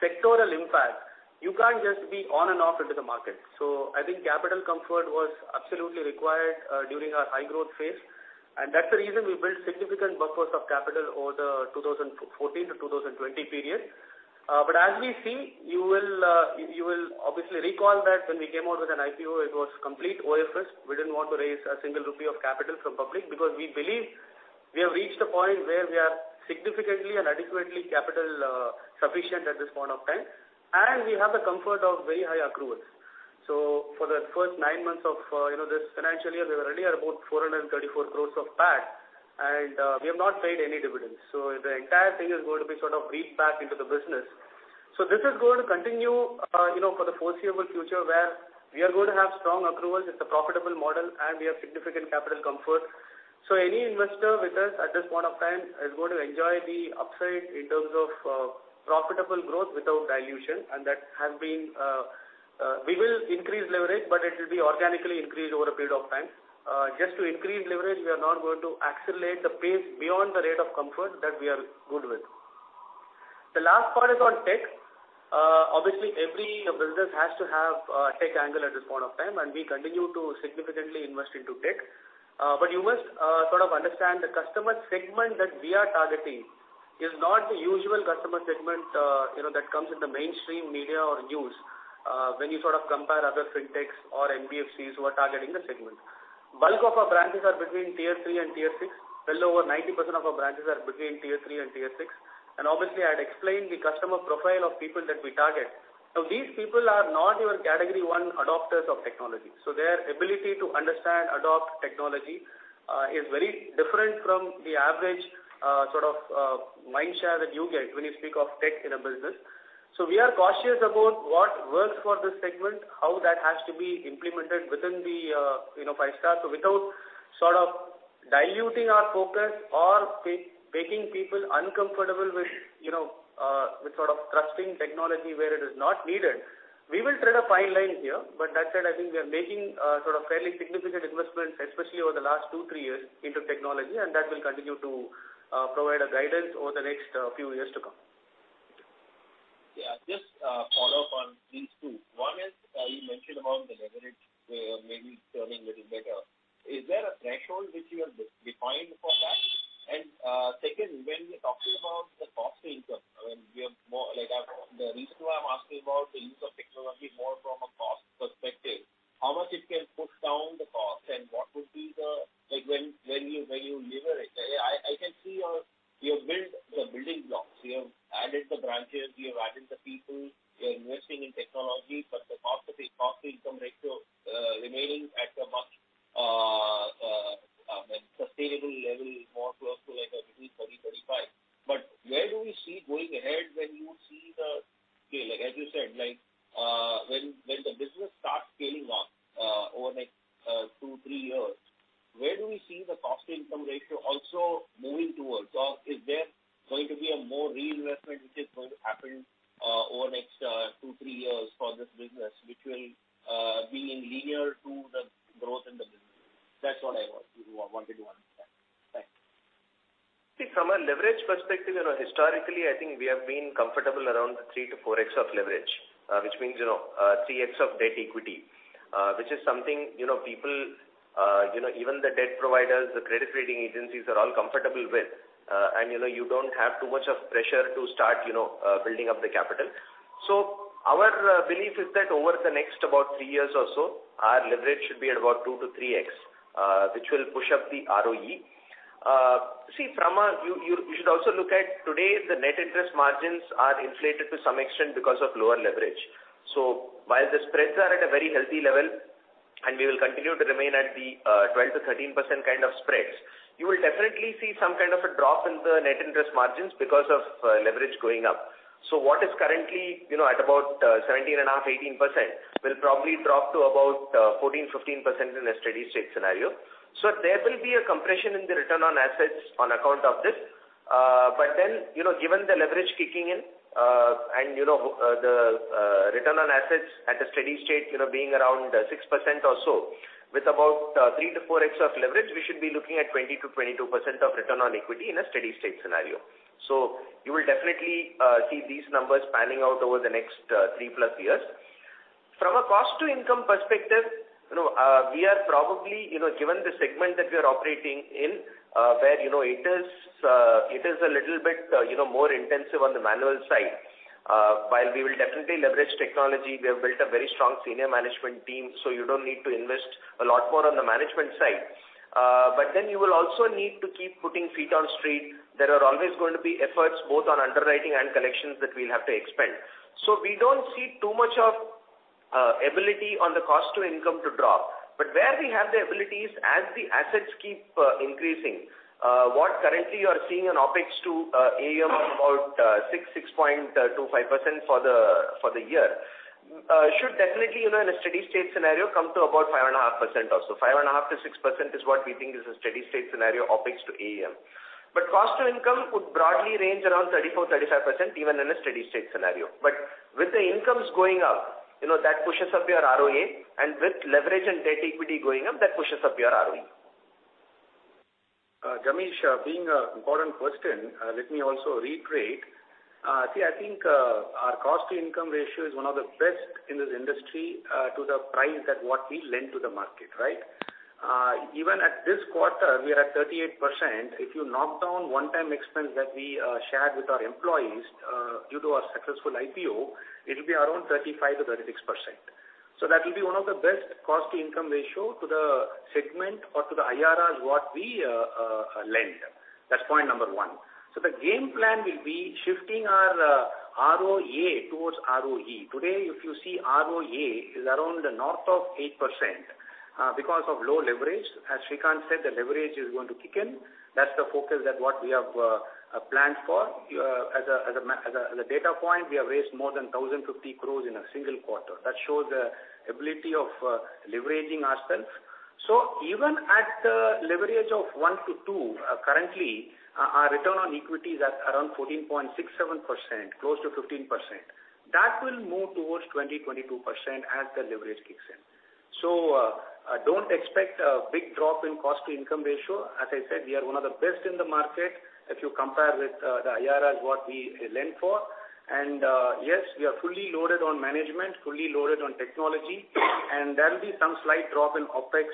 sectoral impact. You can't just be on and off into the market. I think capital comfort was absolutely required during our high growth phase, and that's the reason we built significant buffers of capital over the 2014-2020 period. As we see, you will obviously recall that when we came out with an IPO, it was complete OFS. We didn't want to raise a single rupee of capital from public because we believe we have reached a point where we are significantly and adequately capital sufficient at this point of time, and we have the comfort of very high accruals. For the first nine months of, you know, this financial year, we already are about 434 crores of PAT, and we have not paid any dividends. The entire thing is going to be sort of reaped back into the business. This is going to continue, you know, for the foreseeable future, where we are going to have strong accruals. It's a profitable model, and we have significant capital comfort. Any investor with us at this point of time is going to enjoy the upside in terms of, profitable growth without dilution, and that has been. We will increase leverage, but it will be organically increased over a period of time. Just to increase leverage, we are not going to accelerate the pace beyond the rate of comfort that we are good with. The last part is on tech. Obviously every business has to have a tech angle at this point of time, and we continue to significantly invest into tech. You must sort of understand the customer segment that we are targeting is not the usual customer segment, you know, that comes in the mainstream media or news when you sort of compare other fintechs or NBFCs who are targeting the segment. Bulk of our branches are between tier 3 and tier 6. Well over 90% of our branches are between tier 3 and tier 6. Obviously, I had explained the customer profile of people that we target. These people are not even category 1 adopters of technology, so their ability to understand, adopt technology is very different from the average sort of mind share that you get when you speak of tech in a business. We are cautious about what works for this segment, how that has to be implemented within the, you know, Five Star. without sort of diluting our focus or making people uncomfortable with, you know, With sort of trusting technology where it is not needed. We will tread a fine line here, but that said, I think we are making, sort of fairly significant investments, especially over the last two, three years into technology, and that will continue to, provide a guidance over the next, few years to come. Just follow up on these two. One is, you mentioned about the leverage, maybe turning a little better. Is there a threshold which you have defined for that? Second, when we're talking about the cost to income, I mean, we have more like... The reason why I'm asking about the use of technology more from a cost perspective, how much it can push down the cost and what would be the... Like, when you lever it. I can see your, you have built the building blocks. You have added the branches, you have added the people, you are investing in technology, but the cost to income ratio remaining at a much sustainable level, more close to like a maybe 30-35. But where do we see going ahead when you see the scale, like as you said, like, uh, when, when the business starts scaling up, uh, over next, uh, two, three years, where do we see the cost to income ratio also moving towards? Or is there going to be a more reinvestment which is going to happen, uh, over next, uh, two, three years for this business, which will, uh, be in linear to the growth in the business? That's what I wa-wa-wanted to understand. Thanks. See, from a leverage perspective, you know, historically, I think we have been comfortable around the 3-4x of leverage, which means, you know, 3x of debt equity, which is something, you know, people, you know, even the debt providers, the credit rating agencies are all comfortable with. You know, you don't have too much of pressure to start, you know, building up the capital. Our belief is that over the next about three years or so, our leverage should be at about 2-3x, which will push up the ROE. You should also look at today the net interest margins are inflated to some extent because of lower leverage. While the spreads are at a very healthy level, and we will continue to remain at the 12%-13% kind of spreads, you will definitely see some kind of a drop in the net interest margins because of leverage going up. What is currently, you know, at about 17.5%-18% will probably drop to about 14%-15% in a steady state scenario. There will be a compression in the return on assets on account of this. Given the leverage kicking in, and, you know, the return on assets at a steady state, you know, being around 6% or so, with about 3x-4x of leverage, we should be looking at 20%-22% of return on equity in a steady state scenario. You will definitely see these numbers panning out over the next 3+ years. From a cost to income perspective, you know, we are probably, you know, given the segment that we are operating in, where, you know, it is a little bit, you know, more intensive on the manual side. While we will definitely leverage technology, we have built a very strong senior management team, so you don't need to invest a lot more on the management side. You will also need to keep putting feet on street. There are always going to be efforts both on underwriting and collections that we'll have to expend. We don't see too much of ability on the cost to income to drop. Where we have the abilities as the assets keep increasing, what currently you are seeing on OpEx to AUM about 6.25% for the year, should definitely, you know, in a steady state scenario, come to about 5.5% or so. 5.5%-6% is what we think is a steady state scenario OpEx to AUM. Cost to income would broadly range around 34%-35% even in a steady state scenario. With the incomes going up, you know, that pushes up your ROA and with leverage and debt equity going up, that pushes up your ROE. Deenadayalan, being an important question, let me also reiterate. See, I think, our cost to income ratio is one of the best in this industry, to the price that what we lend to the market, right? Even at this quarter, we are at 38%. If you knock down one time expense that we shared with our employees, due to our successful IPO, it'll be around 35%-36%. That will be one of the best cost to income ratio to the segment or to the IRR as what we lend. That's point number one. The game plan will be shifting our ROA towards ROE. Today, if you see ROA is around north of 8%, because of low leverage. As Srikanth said, the leverage is going to kick in. That's the focus that what we have planned for. As a data point, we have raised more than 1,050 crores in a single quarter. That shows the ability of leveraging ourself. Even at the leverage of 1 to 2, currently our return on equity is at around 14.67%, close to 15%. That will move towards 20%-22% as the leverage kicks in. Don't expect a big drop in cost to income ratio. As I said, we are one of the best in the market if you compare with the IRR as what we lend for. Yes, we are fully loaded on management, fully loaded on technology, and there'll be some slight drop in OpEx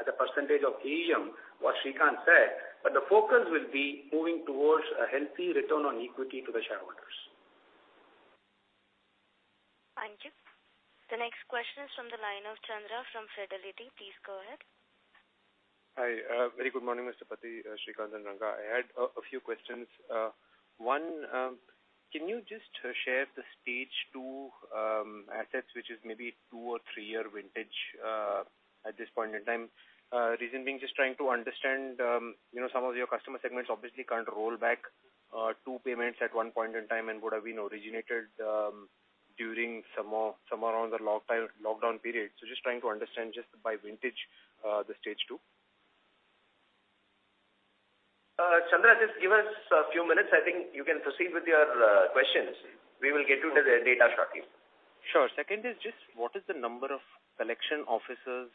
as a % of AUM, what Srikanth said, but the focus will be moving towards a healthy return on equity to the shareholders. Thank you. The next question is from the line of Chandra from Fidelity. Please go ahead. Hi. Very good morning, Mr. Pati, Srikanth and Ranga. I had a few questions. One, can you just share the Stage 2 assets, which is maybe two or three-year vintage, at this point in time? Reason being just trying to understand, you know, some of your customer segments obviously can't roll back two payments at one point in time and would have been originated during somewhere around the lockdown period. Just trying to understand just by vintage, the Stage 2. Chandra, just give us a few minutes. I think you can proceed with your questions. We will get you to the data shortly. Sure. Second is just what is the number of collection officers,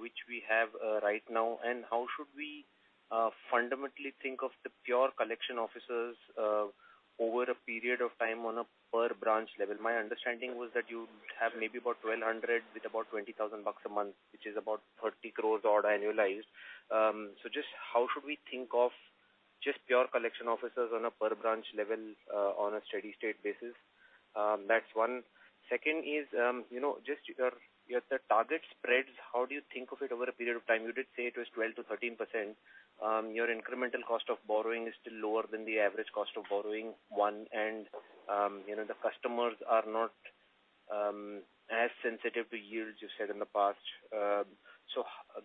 which we have, right now? How should we fundamentally think of the pure collection officers over a period of time on a per branch level? My understanding was that you have maybe about 1,200 with about INR 20,000 a month, which is about 30 crores odd annualized. Just how should we think of just pure collection officers on a per branch level on a steady-state basis? That's one. Second is, you know, just your the target spreads. How do you think of it over a period of time? You did say it was 12%-13%. Your incremental cost of borrowing is still lower than the average cost of borrowing, one. You know, the customers are not as sensitive to yields you said in the past.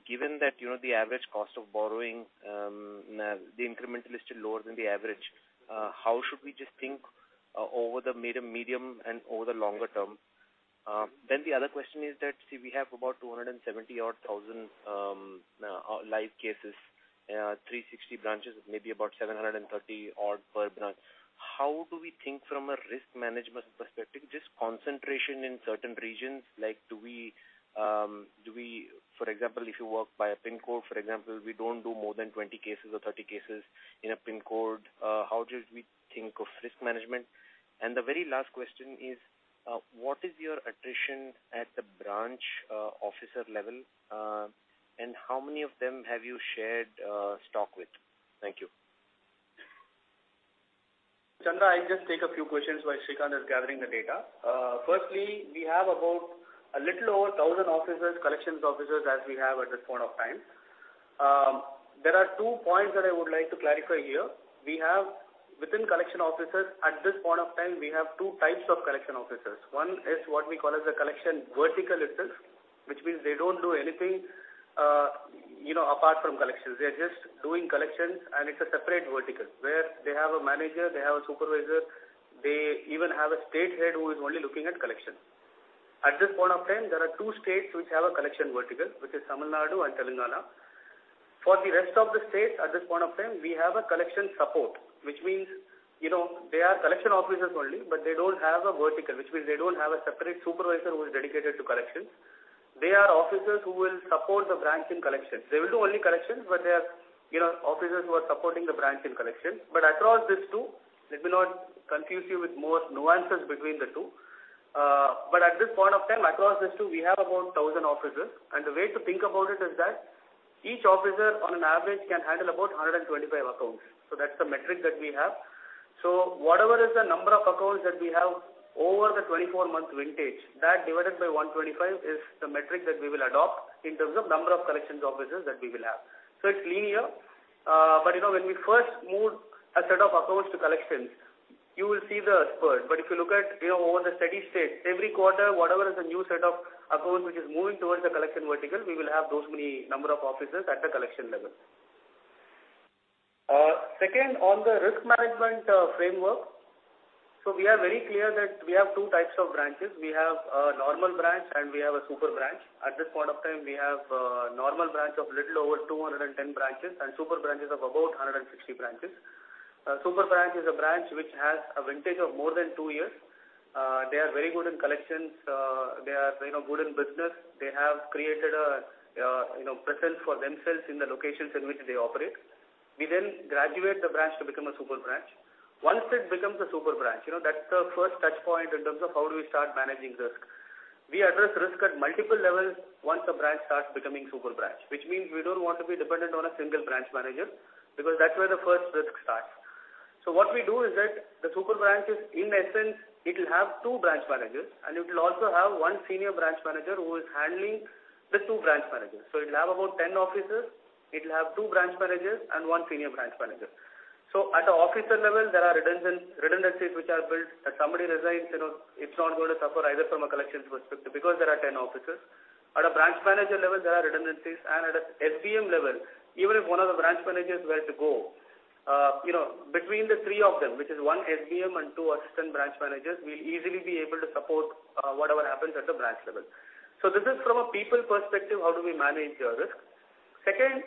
Given that, you know, the average cost of borrowing, the incremental is still lower than the average, how should we just think over the medium and over the longer term? The other question is that, see, we have about 270,000 odd live cases, 360 branches, maybe about 730 odd per branch. How do we think from a risk management perspective, just concentration in certain regions? Like, do we, do we... For example, if you work by a pin code, for example, we don't do more than 20 cases or 30 cases in a pin code. How do we think of risk management? The very last question is, what is your attrition at the branch officer level, and how many of them have you shared stock with? Thank you. Chandra, I'll just take a few questions while Srikanth is gathering the data. Firstly, we have about a little over 1,000 officers, collections officers, as we have at this point of time. There are 2 points that I would like to clarify here. We have, within collection officers at this point of time, we have types of collection officers. One is what we call as a collection vertical itself, which means they don't do anything, you know, apart from collections. They're just doing collections. It's a separate vertical where they have a manager, they have a supervisor, they even have a state head who is only looking at collection. At this point of time, there are 2 states which have a collection vertical, which is Tamil Nadu and Telangana. For the rest of the states at this point of time, we have a collection support, which means, you know, they are collection officers only, but they don't have a vertical, which means they don't have a separate supervisor who is dedicated to collections. They are officers who will support the branch in collections. They will do only collections, but they are, you know, officers who are supporting the branch in collections. Across these two, let me not confuse you with more nuances between the two. At this point of time, across these two, we have about 1,000 officers. The way to think about it is that each officer on an average can handle about 125 accounts. That's the metric that we have. Whatever is the number of accounts that we have over the 24-month vintage, that divided by 125 is the metric that we will adopt in terms of number of collections officers that we will have. It's linear. But you know, when we first move a set of accounts to collections, you will see the spurt. But if you look at, you know, over the steady state, every quarter, whatever is the new set of accounts which is moving towards the collection vertical, we will have those many number of officers at the collection level. Second, on the risk management framework. We are very clear that we have two types of branches. We have a normal branch, and we have a super branch. At this point of time, we have a normal branch of little over 210 branches and super branches of about 160 branches. A super branch is a branch which has a vintage of more than t years. They are very good in collections. They are, you know, good in business. They have created a, you know, presence for themselves in the locations in which they operate. We graduate the branch to become a super branch. Once it becomes a super branch, you know, that's the first touchpoint in terms of how do we start managing risk. We address risk at multiple levels once a branch starts becoming super branch, which means we don't want to be dependent on a single branch manager because that's where the first risk starts. What we do is that the super branch is in essence, it'll have two branch managers, and it'll also have one senior branch manager who is handling the two branch managers. It'll have about 10 officers. It'll have two branch managers and one senior branch manager. At the officer level, there are redundancies which are built. If somebody resigns, you know, it's not going to suffer either from a collections perspective because there are 10 officers. At a branch manager level, there are redundancies. At an SBM level, even if one of the branch managers were to go, you know, between the three of them, which is one SBM and two assistant branch managers, we'll easily be able to support whatever happens at the branch level. This is from a people perspective, how do we manage the risk. Second,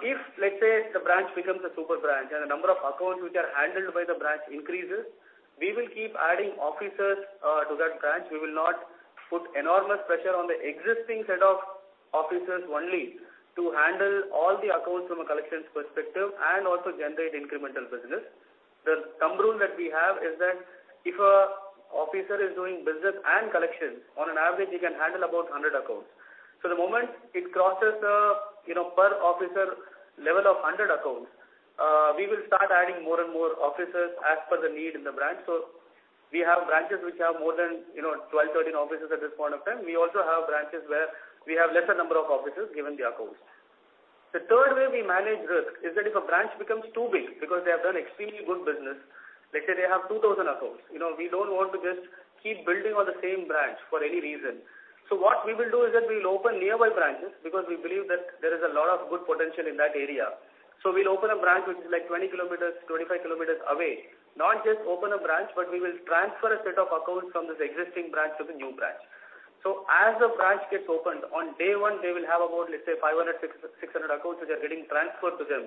if let's say the branch becomes a super branch and the number of accounts which are handled by the branch increases, we will keep adding officers to that branch. We will not put enormous pressure on the existing set of officers only to handle all the accounts from a collections perspective and also generate incremental business. The thumb rule that we have is that if a officer is doing business and collections, on an average, he can handle about 100 accounts. The moment it crosses a per officer level of 100 accounts, we will start adding more and more officers as per the need in the branch. We have branches which have more than 12, 13 officers at this point of time. We also have branches where we have lesser number of officers given the accounts. The third way we manage risk is that if a branch becomes too big because they have done extremely good business, let's say they have 2,000 accounts, you know, we don't want to just keep building on the same branch for any reason. What we will do is that we'll open nearby branches because we believe that there is a lot of good potential in that area. We'll open a branch which is like 20 km, 25 km away. Not just open a branch, but we will transfer a set of accounts from this existing branch to the new branch. As the branch gets opened, on day 1, they will have about, let's say 500, 600 accounts which are getting transferred to them,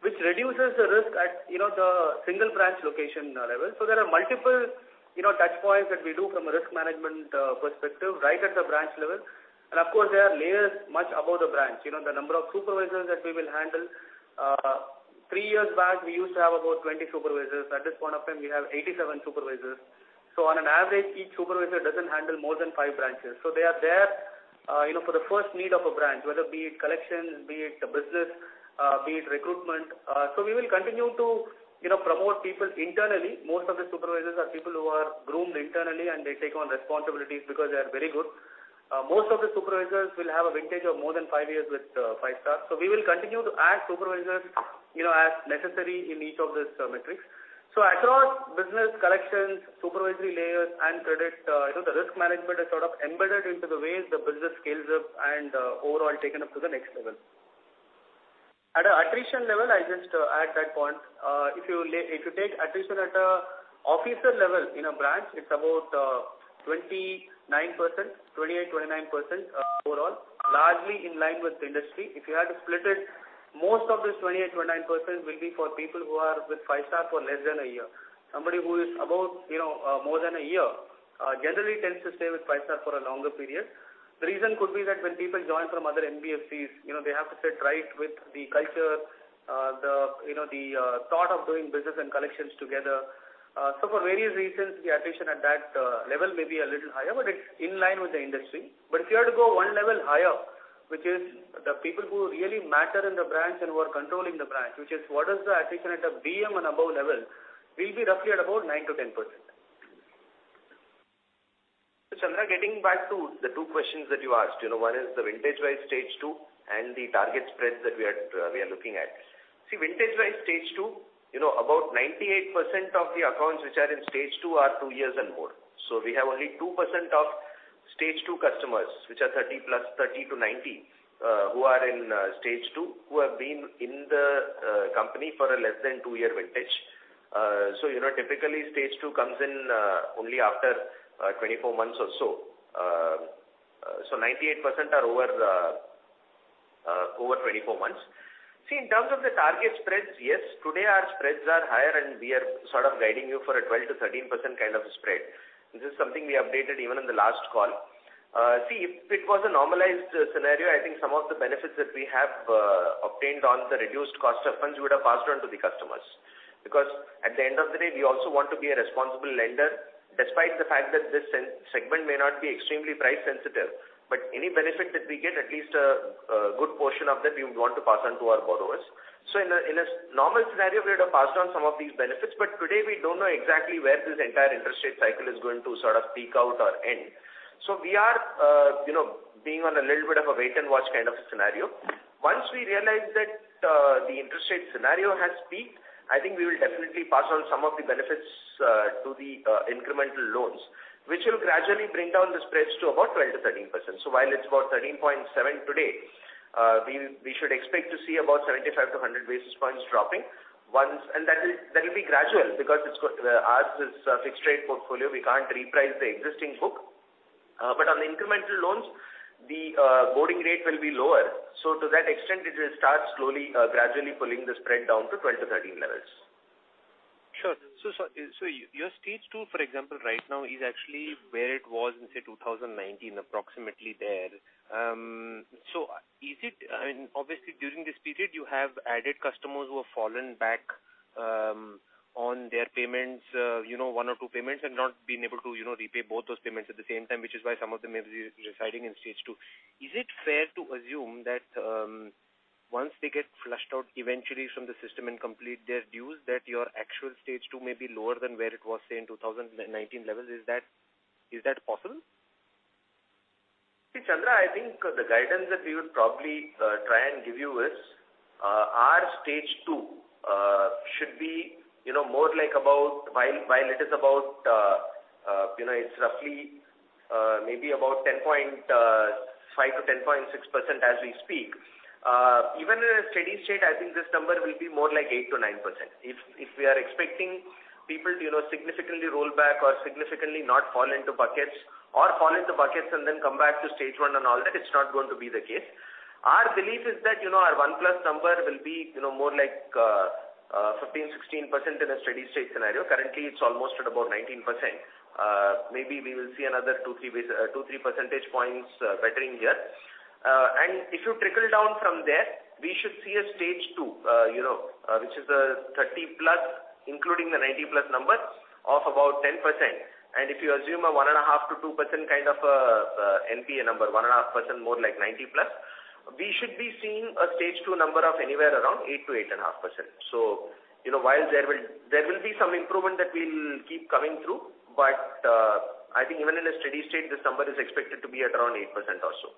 which reduces the risk at, you know, the single branch location level. There are multiple, you know, touch points that we do from a risk management perspective right at the branch level. Of course, there are layers much above the branch. You know, the number of supervisors that we will handle. Three years back, we used to have about 20 supervisors. At this point of time, we have 87 supervisors. On an average, each supervisor doesn't handle more than five branches. They are there, you know, for the first need of a branch, whether be it collection, be it business, be it recruitment. We will continue to, you know, promote people internally. Most of the supervisors are people who are groomed internally, and they take on responsibilities because they are very good. Most of the supervisors will have a vintage of more than five years with Five Star. We will continue to add supervisors, you know, as necessary in each of these metrics. Across business collections, supervisory layers and credit, you know, the risk management is sort of embedded into the way the business scales up and overall taken up to the next level. At a attrition level, I just add that point. If you take attrition at a officer level in a branch, it's about, 29%, 28%-29%, overall, largely in line with the industry. If you had to split it, most of this 28%-29% will be for people who are with Five Star for less than a year. Somebody who is about, you know, more than a year, generally tends to stay with Five Star for a longer period. The reason could be that when people join from other NBFCs, you know, they have to fit right with the culture, the, you know, the thought of doing business and collections together. For various reasons, the attrition at that level may be a little higher, but it's in line with the industry. If you had to go one level higher, which is the people who really matter in the branch and who are controlling the branch, which is what is the attrition at the BM and above level, will be roughly at about 9%-10%. Chandra, getting back to the two questions that you asked, you know, one is the vintage wise Stage 2 and the target spreads that we are looking at. Vintage wise Stage 2, you know, about 98% of the accounts which are in Stage 2 are two years and more. We have only 2% of Stage 2 customers, which are 30+, 30-90, who are in Stage 2, who have been in the company for a less than two year vintage. You know, typically Stage 2 comes in only after 24 months or so. 98% are over 24 months. In terms of the target spreads, yes, today our spreads are higher, and we are sort of guiding you for a 12%-13% kind of a spread. This is something we updated even in the last call. See, if it was a normalized scenario, I think some of the benefits that we have, obtained on the reduced cost of funds would have passed on to the customers. At the end of the day, we also want to be a responsible lender despite the fact that this segment may not be extremely price sensitive, but any benefit that we get, at least a good portion of that we would want to pass on to our borrowers. In a normal scenario, we would have passed on some of these benefits, but today we don't know exactly where this entire interest rate cycle is going to sort of peak out or end. We are, you know, being on a little bit of a wait and watch kind of a scenario. Once we realize that the interest rate scenario has peaked, I think we will definitely pass on some of the benefits to the incremental loans, which will gradually bring down the spreads to about 12%-13%. While it's about 13.7% today, we should expect to see about 75-100 basis points dropping once. That will be gradual because ours is a fixed rate portfolio. We can't reprice the existing book. But on the incremental loans, the boarding rate will be lower. To that extent, it will start slowly, gradually pulling the spread down to 12-13 levels. Sure. Your Stage 2, for example, right now is actually where it was in, say, 2019, approximately there. Is it, I mean, obviously during this period, you have added customers who have fallen back on their payments, you know, one or two payments and not been able to, you know, repay both those payments at the same time, which is why some of them may be residing in Stage 2. Is it fair to assume that once they get flushed out eventually from the system and complete their dues, that your actual Stage 2 may be lower than where it was, say, in 2019 levels? Is that possible? See, Chandra, I think the guidance that we would probably try and give you is our Stage 2 should be, you know, more like about, while it is about, you know, it's roughly maybe about 10.5%-10.6% as we speak. Even in a steady state, I think this number will be more like 8%-9%. If we are expecting people to significantly roll back or significantly not fall into buckets or fall into buckets and then come back to Stage 1 and all that, it's not going to be the case. Our belief is that, you know, our 1+ number will be, you know, more like 15%-16% in a steady state scenario. Currently, it's almost at about 19%. maybe we will see another 2, 3 percentage points, bettering here. If you trickle down from there, we should see a Stage 2, you know, which is a 30+, including the 90+ numbers of about 10%. If you assume a 1.5%-2% kind of, NPA number, 1.5% more like 90+, we should be seeing a Stage 2 number of anywhere around 8%-8.5%. You know, while there will be some improvement that we'll keep coming through, but, I think even in a steady state, this number is expected to be at around 8% or so.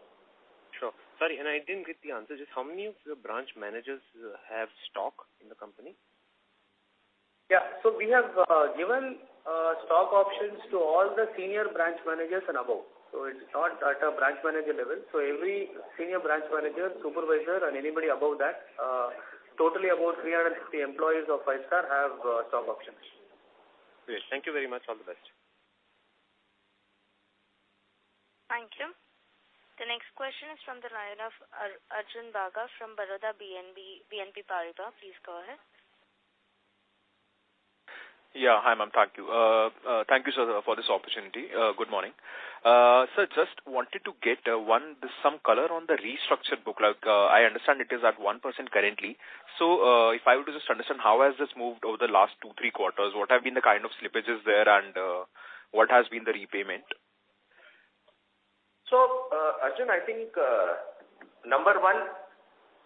Sure. Sorry, I didn't get the answer. Just how many of your branch managers have stock in the company? Yeah. We have given stock options to all the senior branch managers and above. It's not at a branch manager level. Every senior branch manager, supervisor, and anybody above that, totally about 350 employees of Five-Star have stock options. Great. Thank you very much. All the best. Thank you. The next question is from the line of Arjun Bagga from Baroda BNP Paribas. Please go ahead. Yeah. Hi, ma'am. Thank you. Thank you, sir, for this opportunity. Good morning. Sir, just wanted to get one, just some color on the restructured book. Like, I understand it is at 1% currently. So, if I were to just understand how has this moved over the last 2-3 quarters, what have been the kind of slippages there and what has been the repayment? Arjun, I think, number one,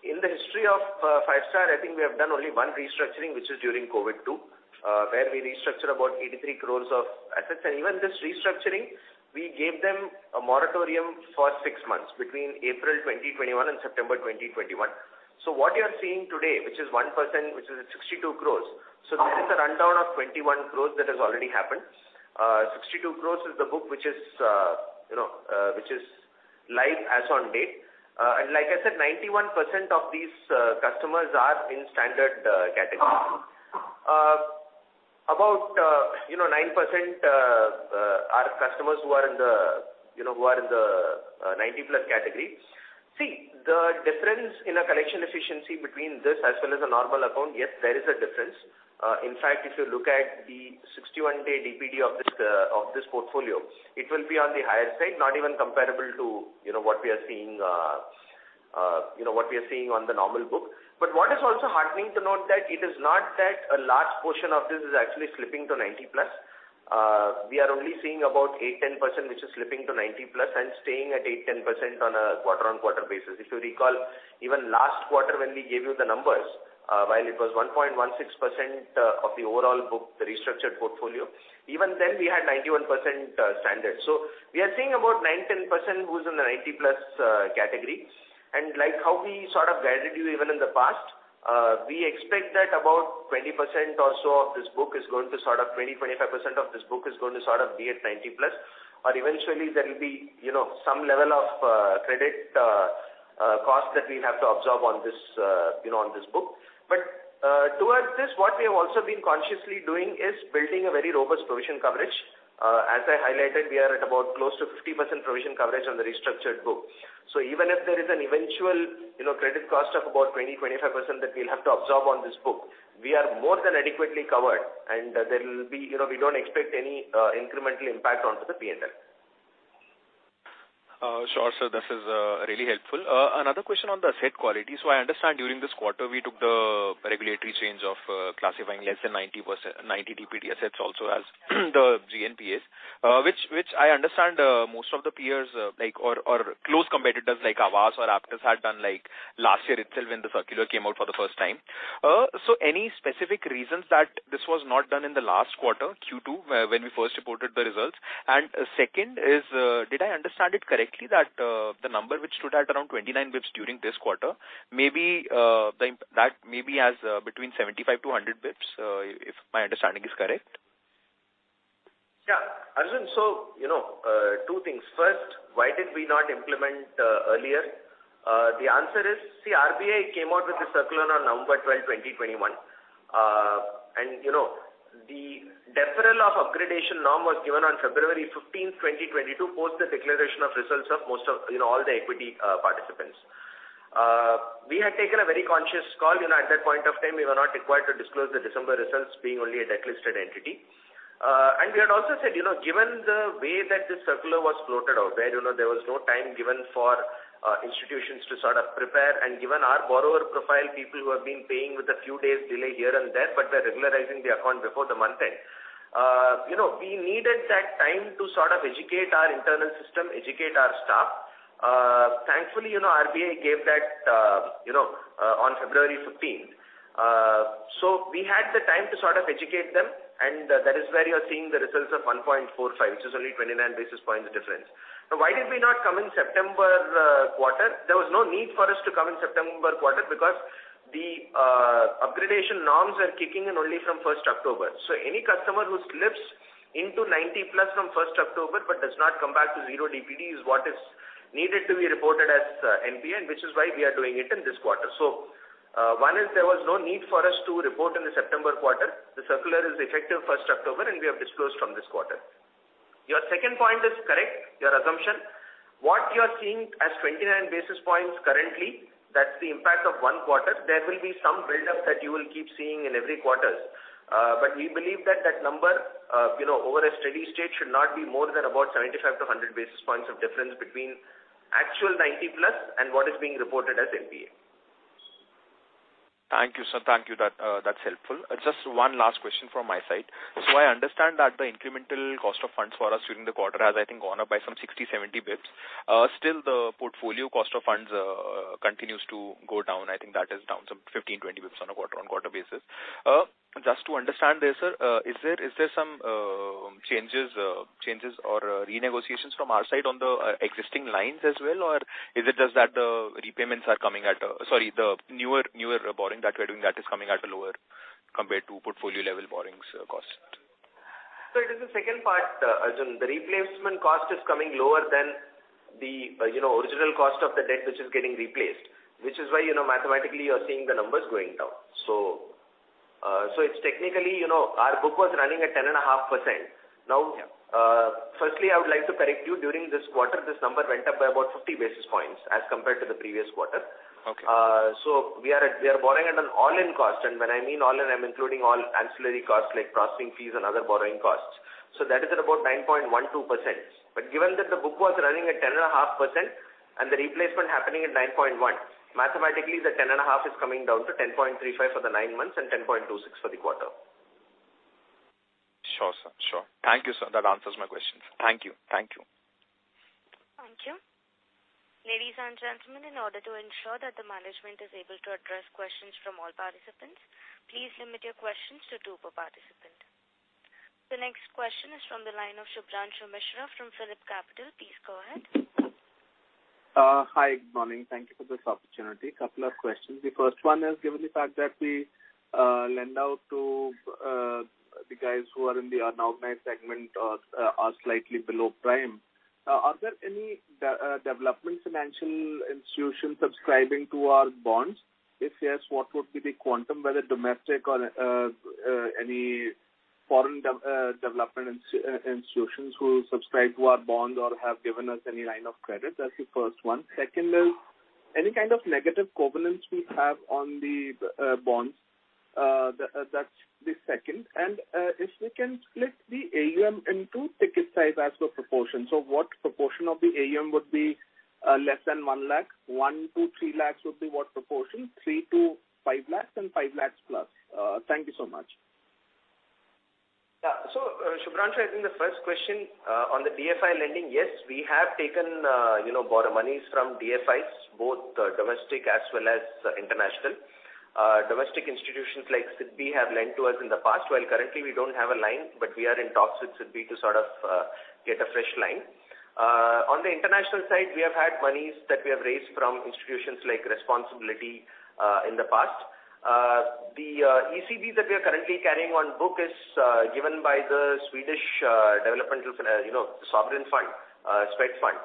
in the history of Five Star, I think we have done only one restructuring, which is during COVID too, where we restructured about 83 crores of assets. Even this restructuring, we gave them a moratorium for six months between April 2021 and September 2021. What you are seeing today, which is 1%, which is 62 crores. Mm-hmm. There is a rundown of 21 crores that has already happened. 62 crores is the book which is, you know, which is live as on date. Like I said, 91% of these customers are in standard category. Mm-hmm. About, you know, 9% are customers who are in the, you know, who are in the 90+ category. The difference in a collection efficiency between this as well as a normal account, yes, there is a difference. In fact, if you look at the 61-day DPD of this, of this portfolio, it will be on the higher side, not even comparable to, you know, what we are seeing, you know, what we are seeing on the normal book. What is also heartening to note that it is not that a large portion of this is actually slipping to 90+. We are only seeing about 8-10%, which is slipping to 90+ and staying at 8%-10% on a quarter-on-quarter basis. If you recall, even last quarter when we gave you the numbers, while it was 1.16% of the overall book, the restructured portfolio, even then we had 91% standard. We are seeing about 9%-10% who's in the 90+ category. Like how we sort of guided you even in the past, we expect that about 20% or so of this book, 20%-25% of this book is going to sort of be at 90+ or eventually there'll be, you know, some level of credit cost that we'll have to absorb on this, you know, on this book. Towards this, what we have also been consciously doing is building a very robust provision coverage. As I highlighted, we are at about close to 50% provision coverage on the restructured book. Even if there is an eventual, you know, credit cost of about 20%-25% that we'll have to absorb on this book, we are more than adequately covered and there will be, you know, we don't expect any incremental impact onto the PNL. Sure, sir. This is really helpful. Another question on the asset quality. I understand during this quarter we took the regulatory change of classifying less than 90 DPD assets also as the GNPA, which I understand most of the peers, like or close competitors like Aavas or Aptus had done last year itself when the circular came out for the first time. Any specific reasons that this was not done in the last quarter, Q2, when we first reported the results? Second is, did I understand it correctly that the number which stood at around 29 basis points during this quarter, maybe, that maybe has between 75 to 100 basis points, if my understanding is correct? Yeah. Arjun, you know, two things. First, why did we not implement earlier? The answer is, see, RBI came out with a circular on November 12, 2021. You know, the deferral of upgradation norm was given on February 15th, 2022, post the declaration of results of most of, you know, all the equity participants. We had taken a very conscious call. You know, at that point of time, we were not required to disclose the December results being only a debt listed entity. We had also said, you know, given the way that the circular was floated out, where, you know, there was no time given for institutions to sort of prepare and given our borrower profile, people who have been paying with a few days delay here and there, but were regularizing the account before the month end, you know, we needed that time to sort of educate our internal system, educate our staff. Thankfully, you know, RBI gave that, you know, on February 15th. We had the time to sort of educate them, and that is where you're seeing the results of 1.45, which is only 29 basis points difference. Now, why did we not come in September quarter? There was no need for us to come in September quarter because the upgradation norms are kicking in only from first October. Any customer who slips into 90+ from first October but does not come back to 0 DPD is what is needed to be reported as NPA, which is why we are doing it in this quarter. One is there was no need for us to report in the September quarter. The circular is effective first October and we have disclosed from this quarter. Your second point is correct, your assumption. What you are seeing as 29 basis points currently, that's the impact of 1 quarter. There will be some build up that you will keep seeing in every quarters. We believe that that number, you know, over a steady state should not be more than about 75-100 basis points of difference between actual 90+ and what is being reported as NPA. Thank you, sir. Thank you. That, that's helpful. Just one last question from my side. Sure. I understand that the incremental cost of funds for us during the quarter has, I think, gone up by some 60, 70 basis points. Still the portfolio cost of funds continues to go down. I think that is down some 15, 20 basis points on a quarter-on-quarter basis. Just to understand this, sir, is there some changes or renegotiations from our side on the existing lines as well? Or is it just that the repayments are coming at, sorry, the newer borrowing that we're doing that is coming at a lower compared to portfolio level borrowings cost? It is the second part, Arjun. The replacement cost is coming lower than the, you know, original cost of the debt which is getting replaced. Which is why, you know, mathematically you're seeing the numbers going down. It's technically, you know, our book was running at 10.5%. Yeah. Now, firstly, I would like to correct you. During this quarter, this number went up by about 50 basis points as compared to the previous quarter. Okay. We are borrowing at an all-in cost. When I mean all-in, I'm including all ancillary costs like processing fees and other borrowing costs. That is at about 9.12%. Given that the book was running at 10.5%, and the replacement happening at 9.1%, mathematically, the 10.5% is coming down to 10.35% for the 9 months and 10.26% for the quarter. Sure, sir. Sure. Thank you, sir. That answers my questions. Thank you. Thank you. Thank you. Ladies and gentlemen, in order to ensure that the management is able to address questions from all participants, please limit your questions to two per participant. The next question is from the line of Shubhranshu Mishra from PhillipCapital. Please go ahead. Hi, good morning. Thank you for this opportunity. A couple of questions. The first one is given the fact that we lend out to the guys who are in the unorganized segment or are slightly below prime, are there any development financial institutions subscribing to our bonds? If yes, what would be the quantum, whether domestic or any foreign development institutions who subscribe to our bond or have given us any line of credit? That's the first one. Second is any kind of negative covenants we have on the bonds. That's the second. If we can split the AUM into ticket size as per proportion. What proportion of the AUM would be less than 1 lakh? 1-3 lakhs would be what proportion? 3-5 lakhs and 5 lakhs+. Thank you so much. Yeah. Shubhranshu, I think the first question on the DFI lending, yes, we have taken, you know, borrowed moneys from DFIs, both domestic as well as international. Domestic institutions like SIDBI have lent to us in the past, while currently we don't have a line, but we are in talks with SIDBI to sort of get a fresh line. On the international side, we have had moneys that we have raised from institutions like Responsibility in the past. The ECB that we are currently carrying on book is given by the Swedish development, you know, sovereign fund, Swedfund.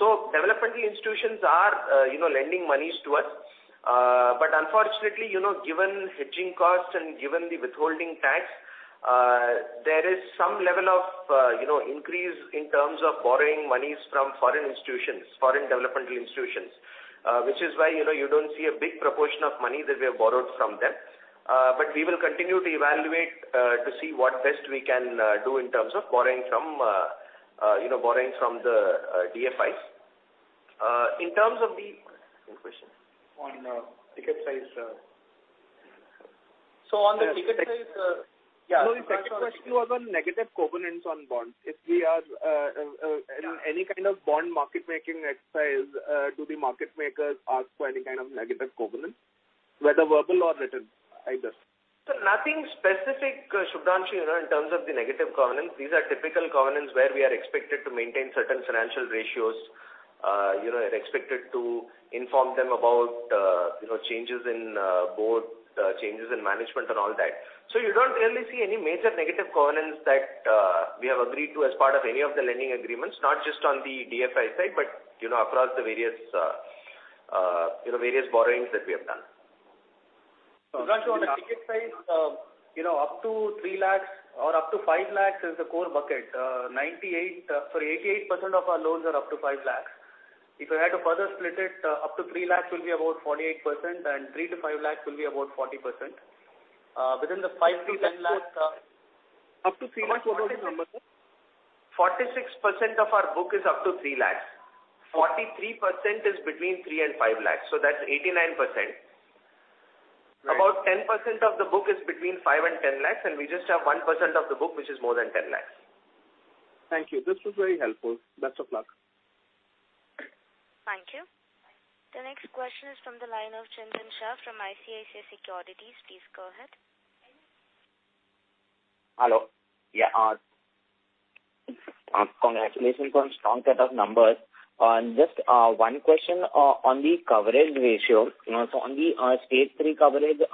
Developmentally, institutions are, you know, lending moneys to us. Unfortunately, you know, given hedging costs and given the withholding tax, there is some level of, you know, increase in terms of borrowing moneys from foreign institutions, foreign developmental institutions. Which is why, you know, you don't see a big proportion of money that we have borrowed from them. We will continue to evaluate, to see what best we can do in terms of borrowing from, you know, borrowing from the DFIs. In terms of the... What's the second question? On, ticket size. On the ticket size, yeah. No, the second question was on negative covenants on bonds. If we are in any kind of bond market making exercise, do the market makers ask for any kind of negative covenant, whether verbal or written, either? Nothing specific, Shubhranshu, you know, in terms of the negative covenants. These are typical covenants where we are expected to maintain certain financial ratios, you know, expected to inform them about, you know, changes in board, changes in management and all that. You don't really see any major negative covenants that we have agreed to as part of any of the lending agreements, not just on the DFI side, but, you know, across the various, you know, various borrowings that we have done. Shubhranshu, on the ticket size, you know, up to 3 lakhs or up to 5 lakhs is the core bucket. 88% of our loans are up to 5 lakhs. If I had to further split it, up to 3 lakhs will be about 48% and 3-5 lakhs will be about 40%. within the 5-10 lakhs, Up to 3 lakhs, what was the number, sir? 46% of our book is up to 3 lakhs. 43% is between 3 and 5 lakhs, so that's 89%. Right. About 10% of the book is between 5 lakhs and 10 lakhs. We just have 1% of the book, which is more than 10 lakhs. Thank you. This was very helpful. Best of luck. Thank you. The next question is from the line of Chintan Shah from ICICI Securities. Please go ahead. Hello. Yeah, congratulations on strong set of numbers. Just 1 question on the coverage ratio. You know, on the Stage 3 coverage,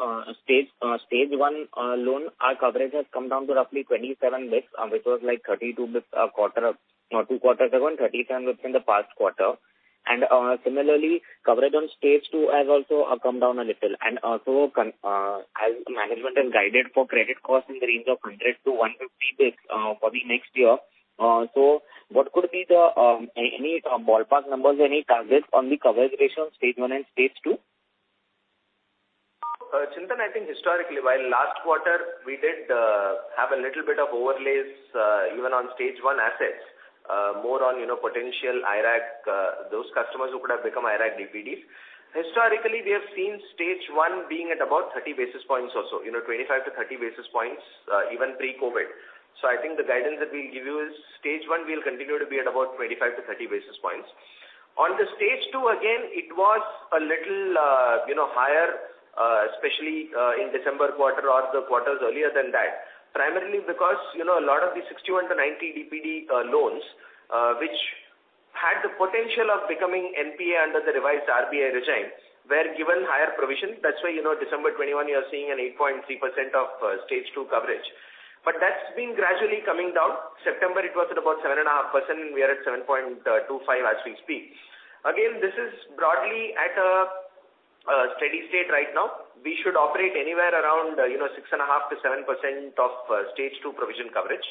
Stage 1 loan, our coverage has come down to roughly 27 bits, which was like 32 bits quarter or 2 quarters ago and 37 within the past quarter. Similarly, coverage on Stage 2 has also come down a little. Also, as management has guided for credit costs in the range of 100 to 150 bits for the next year. What could be the any ballpark numbers or any targets on the coverage ratio on Stage 1 and Stage 2? Chintan, I think historically, while last quarter we did have a little bit of overlays, even on Stage 1 assets, more on, you know, potential IRAC, those customers who could have become IRAC DPDs. Historically, we have seen Stage 1 being at about 30 basis points or so, you know, 25-30 basis points, even pre-COVID. I think the guidance that we give you is Stage 1 will continue to be at about 25 to 30 basis points. On the Stage 2, again, it was a little, higher, especially in December quarter or the quarters earlier than that. Primarily because, you know, a lot of the 60-90 DPD loans, which had the potential of becoming NPA under the revised RBI regime were given higher provision. You know, December 2021, you are seeing an 8.3% of Stage 2 coverage. That's been gradually coming down. September, it was at about 7.5%. We are at 7.25 as we speak. Again, this is broadly at a steady state right now. We should operate anywhere around, you know, 6.5%-7% of Stage 2 provision coverage.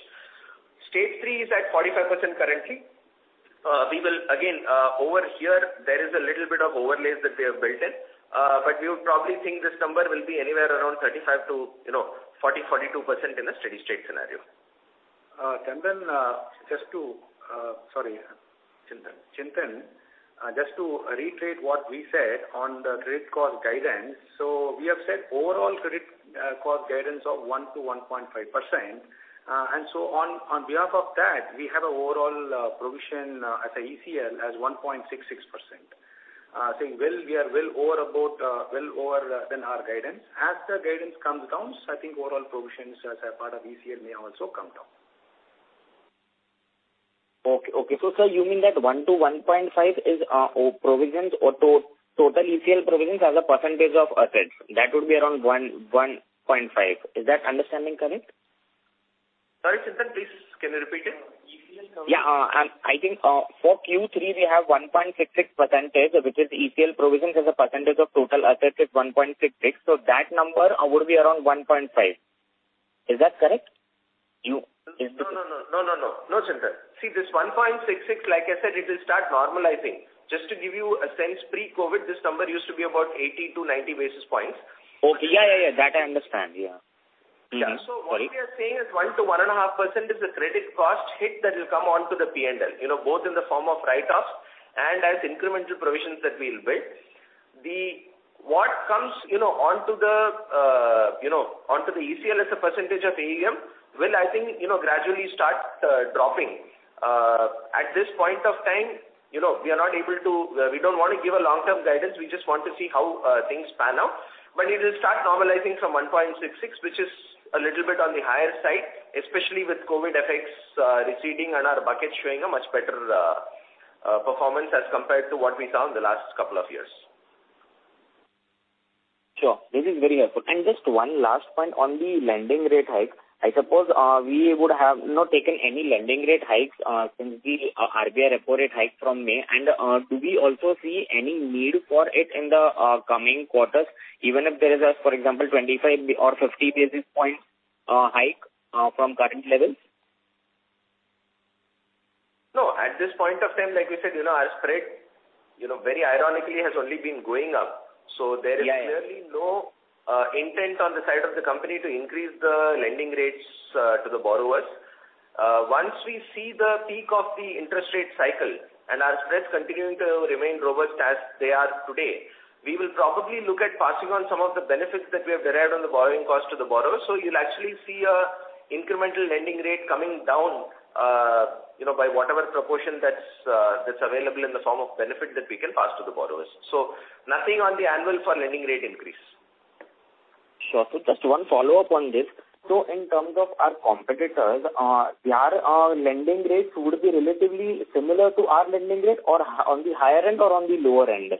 Stage 3 is at 45% currently. We will again, over here, there is a little bit of overlays that we have built in, we would probably think this number will be anywhere around 35% to, you know, 40%-42% in a steady state scenario. Chintan, just to reiterate what we said on the credit cost guidance. We have said overall credit cost guidance of 1%-1.5%. On behalf of that, we have a overall provision as a ECL as 1.66%. I think well, we are well over than our guidance. As the guidance comes down, I think overall provisions as a part of ECL may also come down. Okay. Okay. sir, you mean that 1%-1.5% is provisions or total ECL provisions as a percentage of assets, that would be around 1.5%. Is that understanding correct? Sorry, Chintan. Please, can you repeat it? I think for Q3 we have 1.66%, which is ECL provisions as a percentage of total assets is 1.66. So that number would be around 1.5. Is that correct? No, no. No, no. No, Chintan. See this 1.66, like I said, it will start normalizing. Just to give you a sense, pre-COVID, this number used to be about 80-90 basis points. Okay. Yeah, yeah. That I understand. Yeah. Sorry. What we are saying is 1% to 1.5% is the credit cost hit that will come on to the P&L, you know, both in the form of write-offs and as incremental provisions that we'll build. What comes, you know, onto the, you know, onto the ECL as a percentage of AUM will, I think, you know, gradually start dropping. At this point of time, you know, we are not able to, we don't wanna give a long-term guidance. We just want to see how things pan out. It will start normalizing from 1.66, which is a little bit on the higher side, especially with COVID effects receding and our buckets showing a much better performance as compared to what we saw in the last couple of years. Sure. This is very helpful. Just one last point on the lending rate hikes. I suppose we would have not taken any lending rate hikes since the RBI reported hike from May. Do we also see any need for it in the coming quarters, even if there is a, for example, 25 or 50 basis point hike from current levels? No, at this point of time, like we said, you know, our spread, you know, very ironically, has only been going up. Yeah, yeah. There is clearly no intent on the side of the company to increase the lending rates to the borrowers. Once we see the peak of the interest rate cycle and our spreads continuing to remain robust as they are today, we will probably look at passing on some of the benefits that we have derived on the borrowing cost to the borrowers. You'll actually see a incremental lending rate coming down, you know, by whatever proportion that's available in the form of benefit that we can pass to the borrowers. Nothing on the anvil for lending rate increase. Sure. Just one follow-up on this. In terms of our competitors, their lending rates would be relatively similar to our lending rate or on the higher end or on the lower end?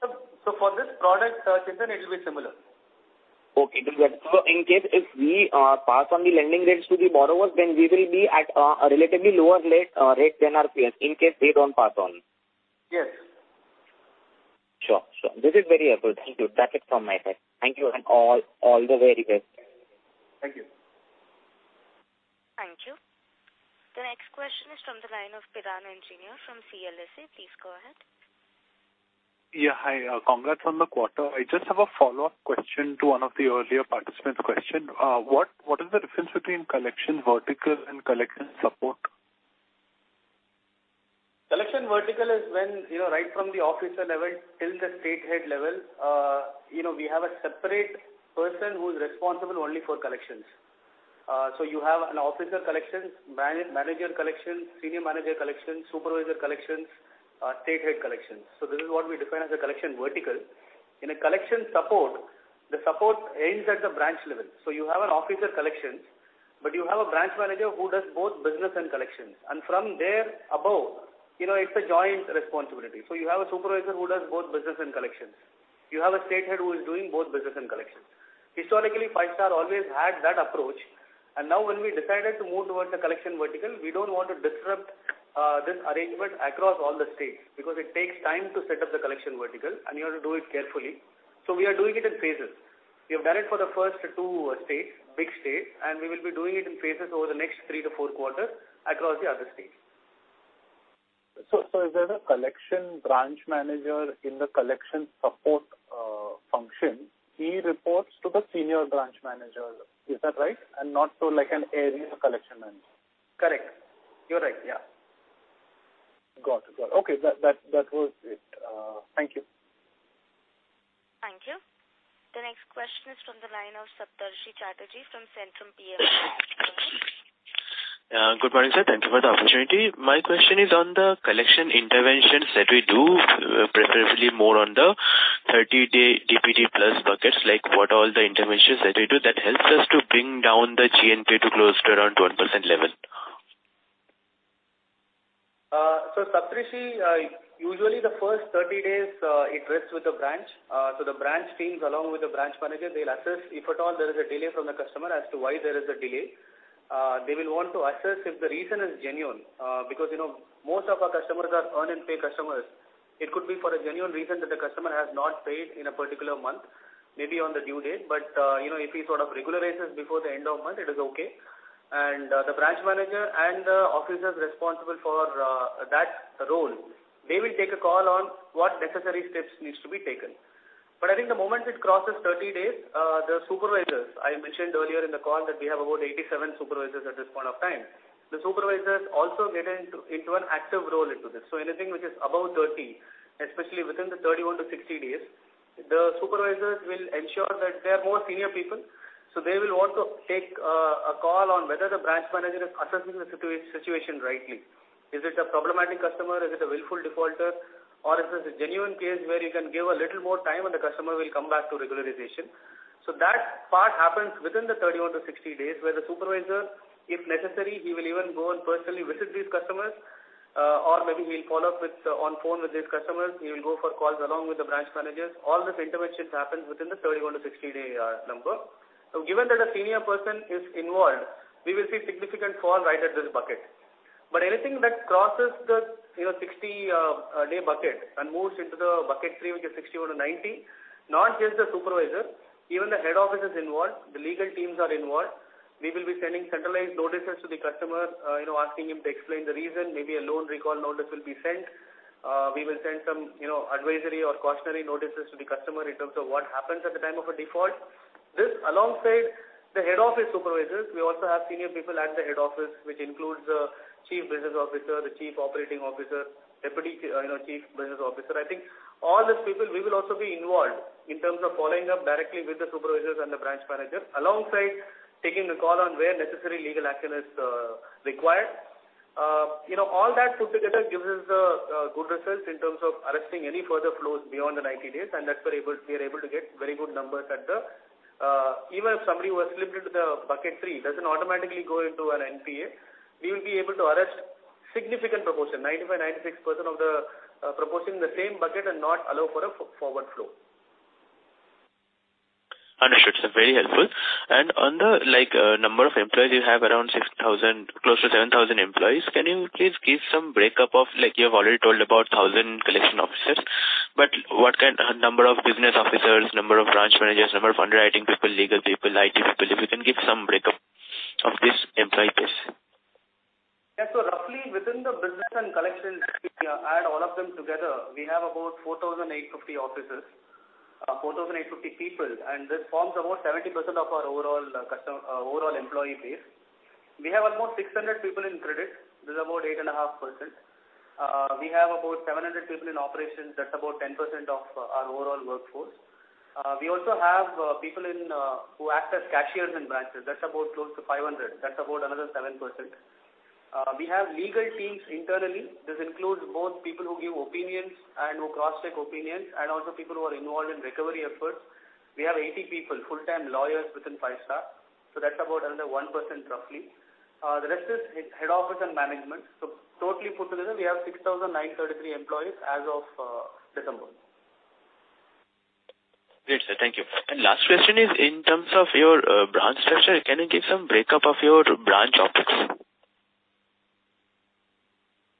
For this product, Chintan, it'll be similar. Okay. In case if we pass on the lending rates to the borrowers, we will be at a relatively lower rate than our peers in case they don't pass on. Yes. Sure. Sure. This is very helpful. Thank you. That's it from my side. Thank you and all the very best. Thank you. Thank you. The next question is from the line of Piran Engineer from CLSA. Please go ahead. Yeah. Hi. Congrats on the quarter. I just have a follow-up question to one of the earlier participant's question. What is the difference between collection vertical and collection support? Collection vertical is when, you know, right from the officer level till the state head level, you know, we have a separate person who's responsible only for collections. You have an officer collections, manager collections, senior manager collections, supervisor collections, state head collections. This is what we define as a collection vertical. In a collection support, the support ends at the branch level. You have an officer collections, you have a branch manager who does both business and collections. From there above, you know, it's a joint responsibility. You have a supervisor who does both business and collections. You have a state head who is doing both business and collections. Historically, Five Star always had that approach. Now when we decided to move towards the collection vertical, we don't want to disrupt this arrangement across all the states because it takes time to set up the collection vertical. You have to do it carefully. We are doing it in phases. We have done it for the first two states, big states. We will be doing it in phases over the next 3-4 quarters across the other states. If there's a collection branch manager in the collection support function, he reports to the senior branch manager. Is that right? not to like an area collection manager. Correct. You're right. Yeah. Got it. Okay. That was it. Thank you. Thank you. The next question is from the line of Saptarshi Chatterjee from Centrum PE. Yeah. Good morning, sir. Thank you for the opportunity. My question is on the collection interventions that we do, preferably more on the 30-day DPD- That helps us to bring down the GNP to close to around 1% level. Saptarshi, usually the first 30 days, it rests with the branch. The branch teams along with the branch manager, they'll assess if at all there is a delay from the customer as to why there is a delay. They will want to assess if the reason is genuine, because, you know, most of our customers are earn and pay customers. It could be for a genuine reason that the customer has not paid in a particular month, maybe on the due date. You know, if he sort of regularizes before the end of month, it is okay. The branch manager and the officers responsible for that role, they will take a call on what necessary steps needs to be taken. I think the moment it crosses 30 days, the supervisors, I mentioned earlier in the call that we have about 87 supervisors at this point of time. The supervisors also get into an active role into this. Anything which is above 30, especially within the 31-60 days, the supervisors will ensure that they are more senior people, so they will want to take a call on whether the branch manager is assessing the situation rightly. Is it a problematic customer? Is it a willful defaulter? Or is this a genuine case where you can give a little more time and the customer will come back to regularization? That part happens within the 31-60 days, where the supervisor, if necessary, he will even go and personally visit these customers, or maybe we'll follow up with, on phone with these customers. He will go for calls along with the branch managers. All this intervention happens within the 31-60 day, you know, number. Given that a senior person is involved, we will see significant fall right at this bucket. Anything that crosses the, you know, 60 day bucket and moves into the bucket 3, which is 61-90, not just the supervisor, even the head office is involved, the legal teams are involved. We will be sending centralized notices to the customer, you know, asking him to explain the reason. Maybe a loan recall notice will be sent. We will send some, you know, advisory or cautionary notices to the customer in terms of what happens at the time of a default. This alongside the head office supervisors, we also have senior people at the head office, which includes the chief business officer, the chief operating officer, deputy, you know, chief business officer. I think all these people, we will also be involved in terms of following up directly with the supervisors and the branch manager, alongside taking the call on where necessary legal action is required. You know, all that put together gives us a good result in terms of arresting any further flows beyond the 90 days, that's we are able to get very good numbers at the. Even if somebody who has slipped into the bucket 3, doesn't automatically go into our NPA. We will be able to arrest significant proportion, 95%, 96% of the proportion in the same bucket and not allow for a forward flow. Understood, sir. Very helpful. On the, like, number of employees, you have around 6,000, close to 7,000 employees. Can you please give some breakup of, like, you have already told about 1,000 collection officers, but what kind number of business officers, number of branch managers, number of underwriting people, legal people, IT people? If you can give some breakup of this employee base? Roughly within the business and collections, if you add all of them together, we have about 4,850 officers, 4,850 people, and this forms about 70% of our overall employee base. We have almost 600 people in credit. This is about 8.5%. We have about 700 people in operations. That's about 10% of our overall workforce. We also have people who act as cashiers in branches. That's about close to 500. That's about another 7%. We have legal teams internally. This includes both people who give opinions and who cross-check opinions, and also people who are involved in recovery efforts. We have 80 people, full-time lawyers within Five Star. That's about another 1%, roughly. The rest is head office and management. Totally put together, we have 6,933 employees as of December. Great, sir. Thank you. Last question is in terms of your branch structure, can you give some breakup of your branch office?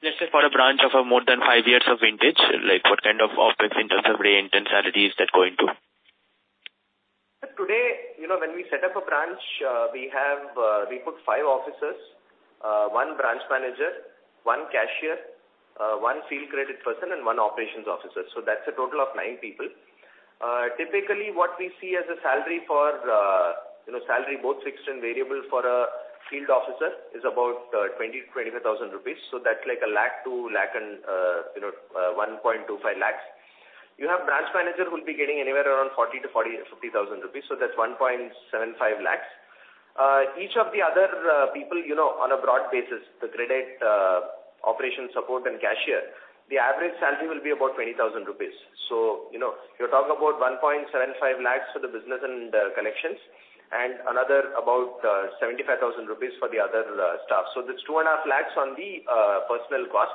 Let's say for a branch of more than five years of vintage, like what kind of office in terms of range and salary is that going to? Sir, today, you know, when we set up a branch, we have, we put five officers, one branch manager, one cashier, one field credit person and one operations officer. That's a total of nine people. Typically what we see as a salary for, you know, salary both fixed and variable for a field officer is about 20,000-25,000 rupees. That's like 1 lakh to 1 lakh and, you know, 1.25 lakhs. You have branch manager who will be getting anywhere around 40,000-50,000 rupees. That's 1.75 lakhs. Each of the other people, you know, on a broad basis, the credit, operations support and cashier, the average salary will be about 20,000 rupees. you know, you're talking about 1.75 lakhs for the business and collections and another about 75,000 rupees for the other staff. That's two and a half lakhs on the personal cost.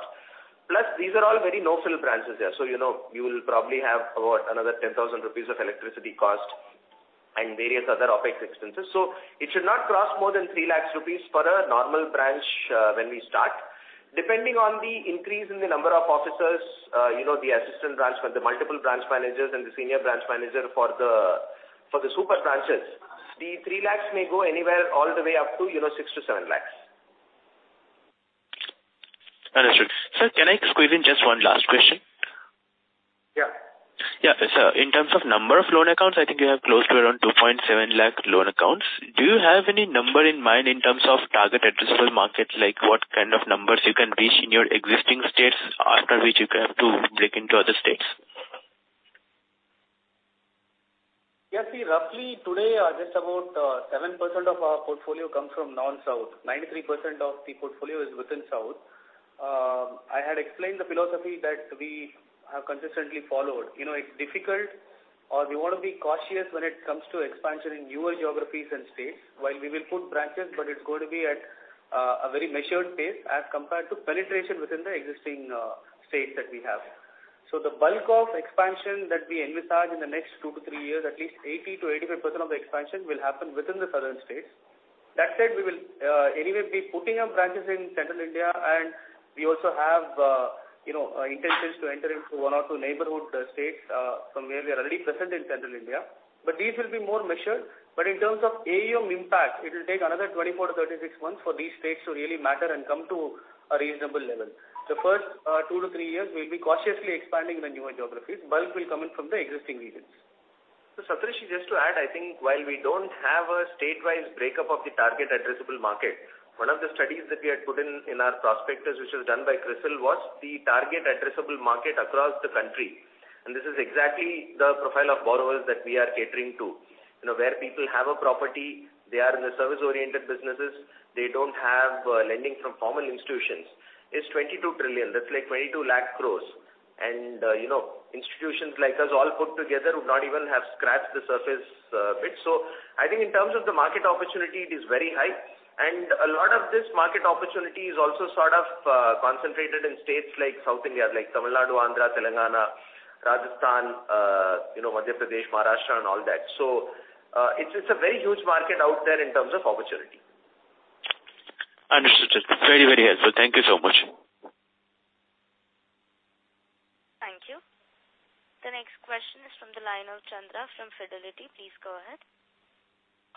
Plus, these are all very no-frill branches there. you know, you'll probably have about another 10,000 rupees of electricity cost and various other OpEx expenses. It should not cross more than 3 lakhs rupees for a normal branch when we start. Depending on the increase in the number of officers, you know, the assistant branch, the multiple branch managers and the senior branch manager for the, for the super branches, the 3 lakhs may go anywhere all the way up to, you know, 6-7 lakhs. Understood. Sir, can I squeeze in just one last question? Yeah. Yeah. Sir, in terms of number of loan accounts, I think you have close to around 2.7 lakh loan accounts. Do you have any number in mind in terms of target addressable market? Like what kind of numbers you can reach in your existing states, after which you have to break into other states? Yes. See, roughly today, just about 7% of our portfolio comes from non-South. 93% of the portfolio is within South. I had explained the philosophy that we have consistently followed. You know, it's difficult or we wanna be cautious when it comes to expansion in newer geographies and states. While we will put branches, but it's going to be at a very measured pace as compared to penetration within the existing states that we have. The bulk of expansion that we envisage in the next 2-3 years, at least 80%-85% of the expansion will happen within the southern states. That said, we will, anyway be putting up branches in central India, and we also have, you know, intentions to enter into one or two neighborhood states, from where we are already present in central India. These will be more measured. In terms of AUM impact, it'll take another 24-36 months for these states to really matter and come to a reasonable level. The first, 2-3 years we'll be cautiously expanding the newer geographies. Bulk will come in from the existing regions. Satish, just to add, I think while we don't have a state-wise breakup of the target addressable market, one of the studies that we had put in our prospectus, which was done by CRISIL, was the target addressable market across the country. This is exactly the profile of borrowers that we are catering to. You know, where people have a property, they are in the service-oriented businesses, they don't have lending from formal institutions. It's 22 trillion. That's like 22 lakh crores. You know, institutions like us all put together would not even have scratched the surface bit. I think in terms of the market opportunity it is very high. A lot of this market opportunity is also sort of concentrated in states like South India, like Tamil Nadu, Andhra, Telangana, Rajasthan, you know, Madhya Pradesh, Maharashtra and all that. It's a very huge market out there in terms of opportunity. Understood, sir. Very, very helpful. Thank you so much. Thank you. The next question is from the line of Chandra from Fidelity. Please go ahead.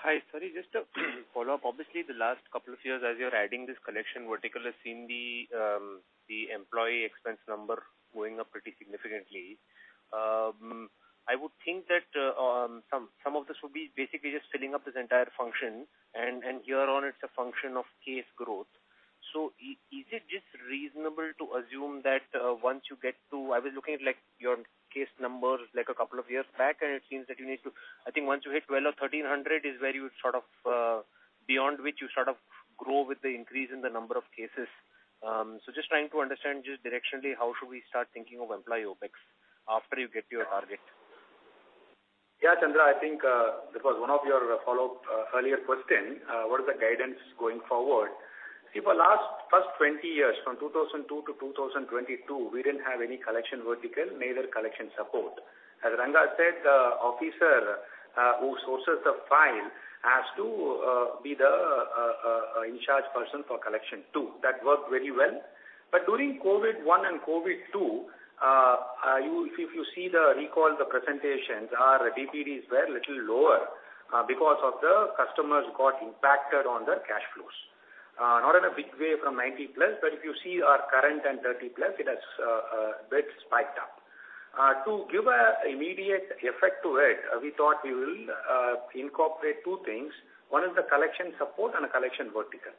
Hi. Sorry, just a follow-up. Obviously, the last couple of years as you're adding this collection vertical, I've seen the employee expense number going up pretty significantly. I would think that some of this will be basically just filling up this entire function and here on it's a function of case growth. Is it just reasonable to assume that once you get to. I was looking at, like, your case numbers, like, a couple of years back, and it seems that you need to. I think once you hit 1,200 or 1,300 is where you sort of, beyond which you sort of grow with the increase in the number of cases. Just trying to understand just directionally how should we start thinking of employee OpEx after you get to your target. Yeah, Chandra, I think that was one of your follow-up earlier question, what is the guidance going forward? See, for last first 20 years, from 2002 to 2022, we didn't have any collection vertical nor the collection support. As Ranga said, the officer who sources the file has to be the in-charge person for collection too. That worked very well. During COVID 1 and COVID 2, if you recall the presentations, our DPDs were little lower because of the customers got impacted on their cash flows. Not in a big way from 90+, but if you see our current and 30+, it has bit spiked up. To give a immediate effect to it, we thought we will incorporate two things. One is the collection support and a collection vertical.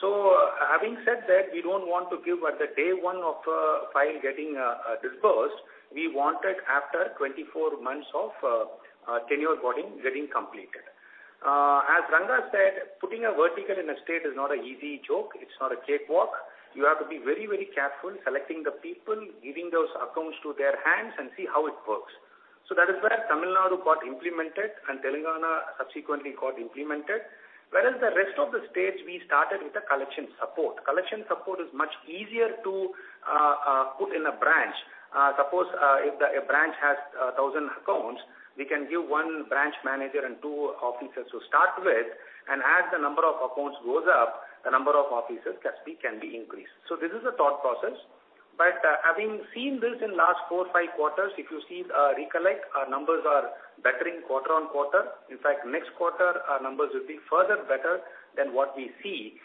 Having said that, we don't want to give at the day one of file getting disbursed. We wanted after 24 months of tenure boarding getting completed. As Ranga said, putting a vertical in a state is not an easy joke. It's not a cakewalk. You have to be very, very careful selecting the people, giving those accounts to their hands and see how it works. That is where Tamil Nadu got implemented and Telangana subsequently got implemented. Whereas the rest of the states we started with a collection support. Collection support is much easier to put in a branch. Suppose, if a branch has 1,000 accounts, we can give one branch manager and two officers to start with, and as the number of accounts goes up, the number of officers can be increased. This is the thought process. Having seen this in last 4, 5 quarters, if you see, recollect, our numbers are bettering quarter-on-quarter. In fact, next quarter our numbers will be further better than what we see.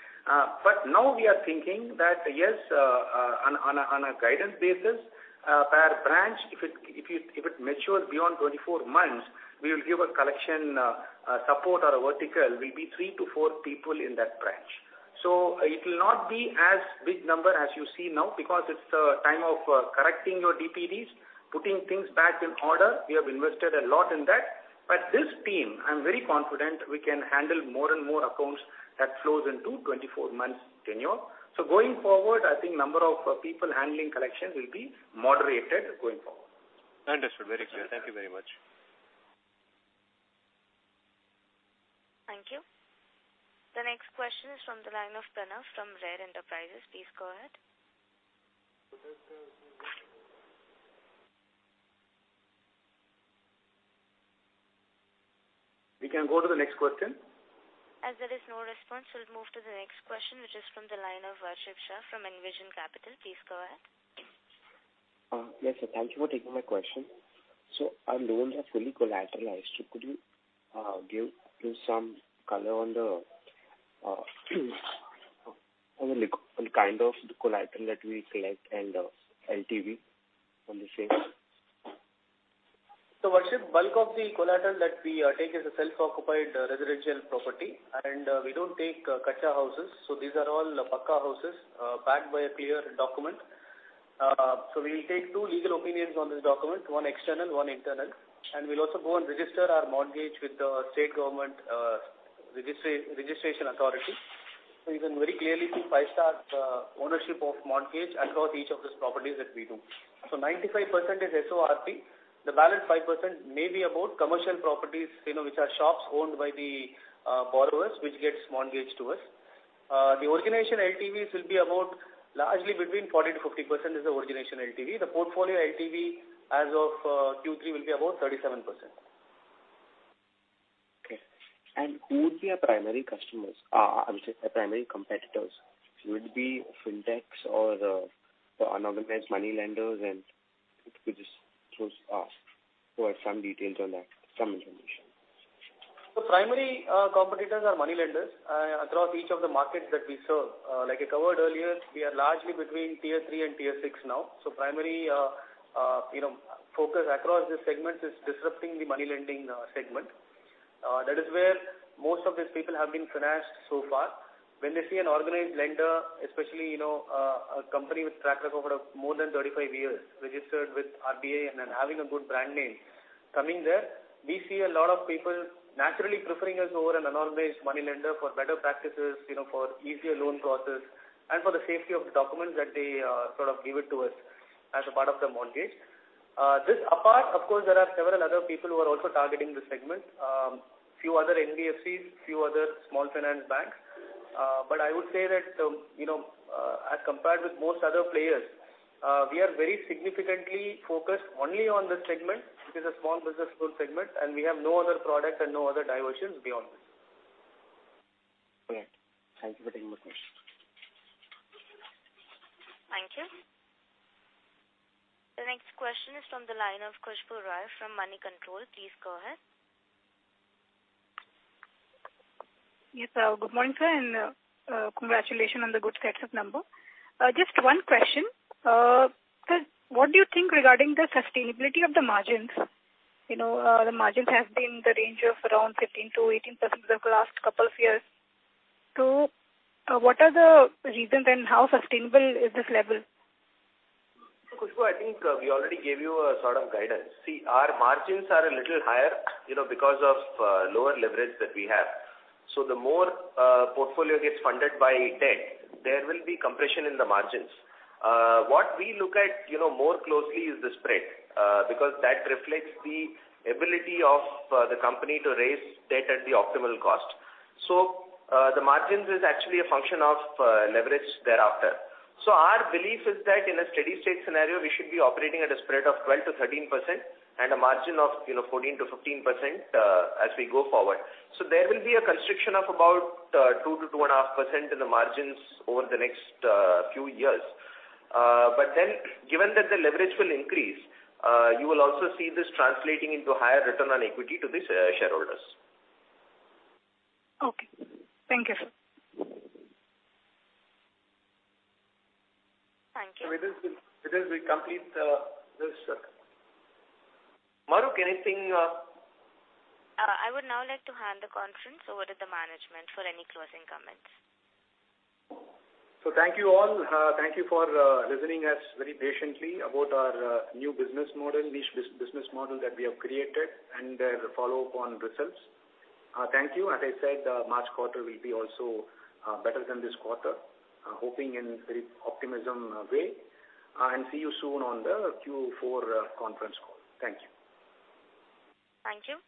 Now we are thinking that yes, on a guidance basis, per branch if it matures beyond 24 months, we will give a collection support or a vertical will be three to four people in that branch. It will not be as big number as you see now because it's the time of correcting your DPDs, putting things back in order. We have invested a lot in that. This team, I'm very confident we can handle more and more accounts that flows into 24 months tenure. Going forward, I think number of people handling collection will be moderated going forward. Understood. Very clear. Thank you very much. Thank you. The next question is from the line of Pranav from Rare Enterprises. Please go ahead. We can go to the next question. As there is no response, we'll move to the next question, which is from the line of Harshil Shah from Envision Capital. Please go ahead. Yes, sir. Thank you for taking my question. Our loans are fully collateralized. Could you give some color on the kind of the collateral that we collect and LTV on the same? Harshil, bulk of the collateral that we take is a self-occupied residential property, and we don't take kutcha houses. These are all pucca houses, backed by a clear document. We'll take two legal opinions on this document, one external, one internal, and we'll also go and register our mortgage with the state government, registration authority. You can very clearly see Five Star's ownership of mortgage across each of those properties that we do. 95% is SORP. The balance 5% may be about commercial properties, you know, which are shops owned by the borrowers, which gets mortgaged to us. The origination LTVs will be about largely between 40%-50% is the origination LTV. The portfolio LTV as of Q3 will be about 37%. Okay. Who would be our primary customers? I'm sorry, our primary competitors? Would it be fintechs or the unorganized money lenders? If you could just, please ask for some details on that, some information. The primary competitors are money lenders across each of the markets that we serve. Like I covered earlier, we are largely between tier three and tier six now. Primary, you know, focus across this segment is disrupting the money lending segment. That is where most of these people have been financed so far. When they see an organized lender, especially, you know, a company with track record of more than 35 years, registered with RBI and then having a good brand name coming there, we see a lot of people naturally preferring us over an unorganized money lender for better practices, you know, for easier loan process, and for the safety of the documents that they sort of give it to us as a part of the mortgage. This apart, of course, there are several other people who are also targeting this segment. Few other NBFCs, few other small finance banks. I would say that, you know, as compared with most other players, we are very significantly focused only on this segment, which is a small business loan segment, and we have no other product and no other diversions beyond this. Okay. Thank you very much. Thank you. The next question is from the line of Khushboo Rai from Moneycontrol. Please go ahead. Yes, sir. Good morning, sir, and congratulations on the good sets of number. Just one question. Sir, what do you think regarding the sustainability of the margins? You know, the margins has been in the range of around 15%-18% over the last couple of years. What are the reasons and how sustainable is this level? Khushboo, I think we already gave you a sort of guidance. Our margins are a little higher, you know, because of lower leverage that we have. The more portfolio gets funded by debt, there will be compression in the margins. What we look at, you know, more closely is the spread, because that reflects the ability of the company to raise debt at the optimal cost. The margins is actually a function of leverage thereafter. Our belief is that in a steady state scenario, we should be operating at a spread of 12%-13% and a margin of, you know, 14%-15% as we go forward. There will be a constriction of about 2%-2.5% in the margins over the next few years. Given that the leverage will increase, you will also see this translating into higher return on equity to the shareholders. Okay. Thank you, sir. Thank you. With this, we complete this circle. Maruk, anything? I would now like to hand the conference over to the management for any closing comments. Thank you all. Thank you for listening us very patiently about our new business model, niche business model that we have created and the follow-up on results. Thank you. As I said, March quarter will be also better than this quarter. Hoping in very optimism way. See you soon on the Q4 conference call. Thank you. Thank you.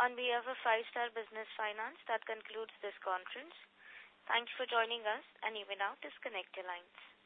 On behalf of Five-Star Business Finance Limited, that concludes this conference. Thanks for joining us and you may now disconnect your lines.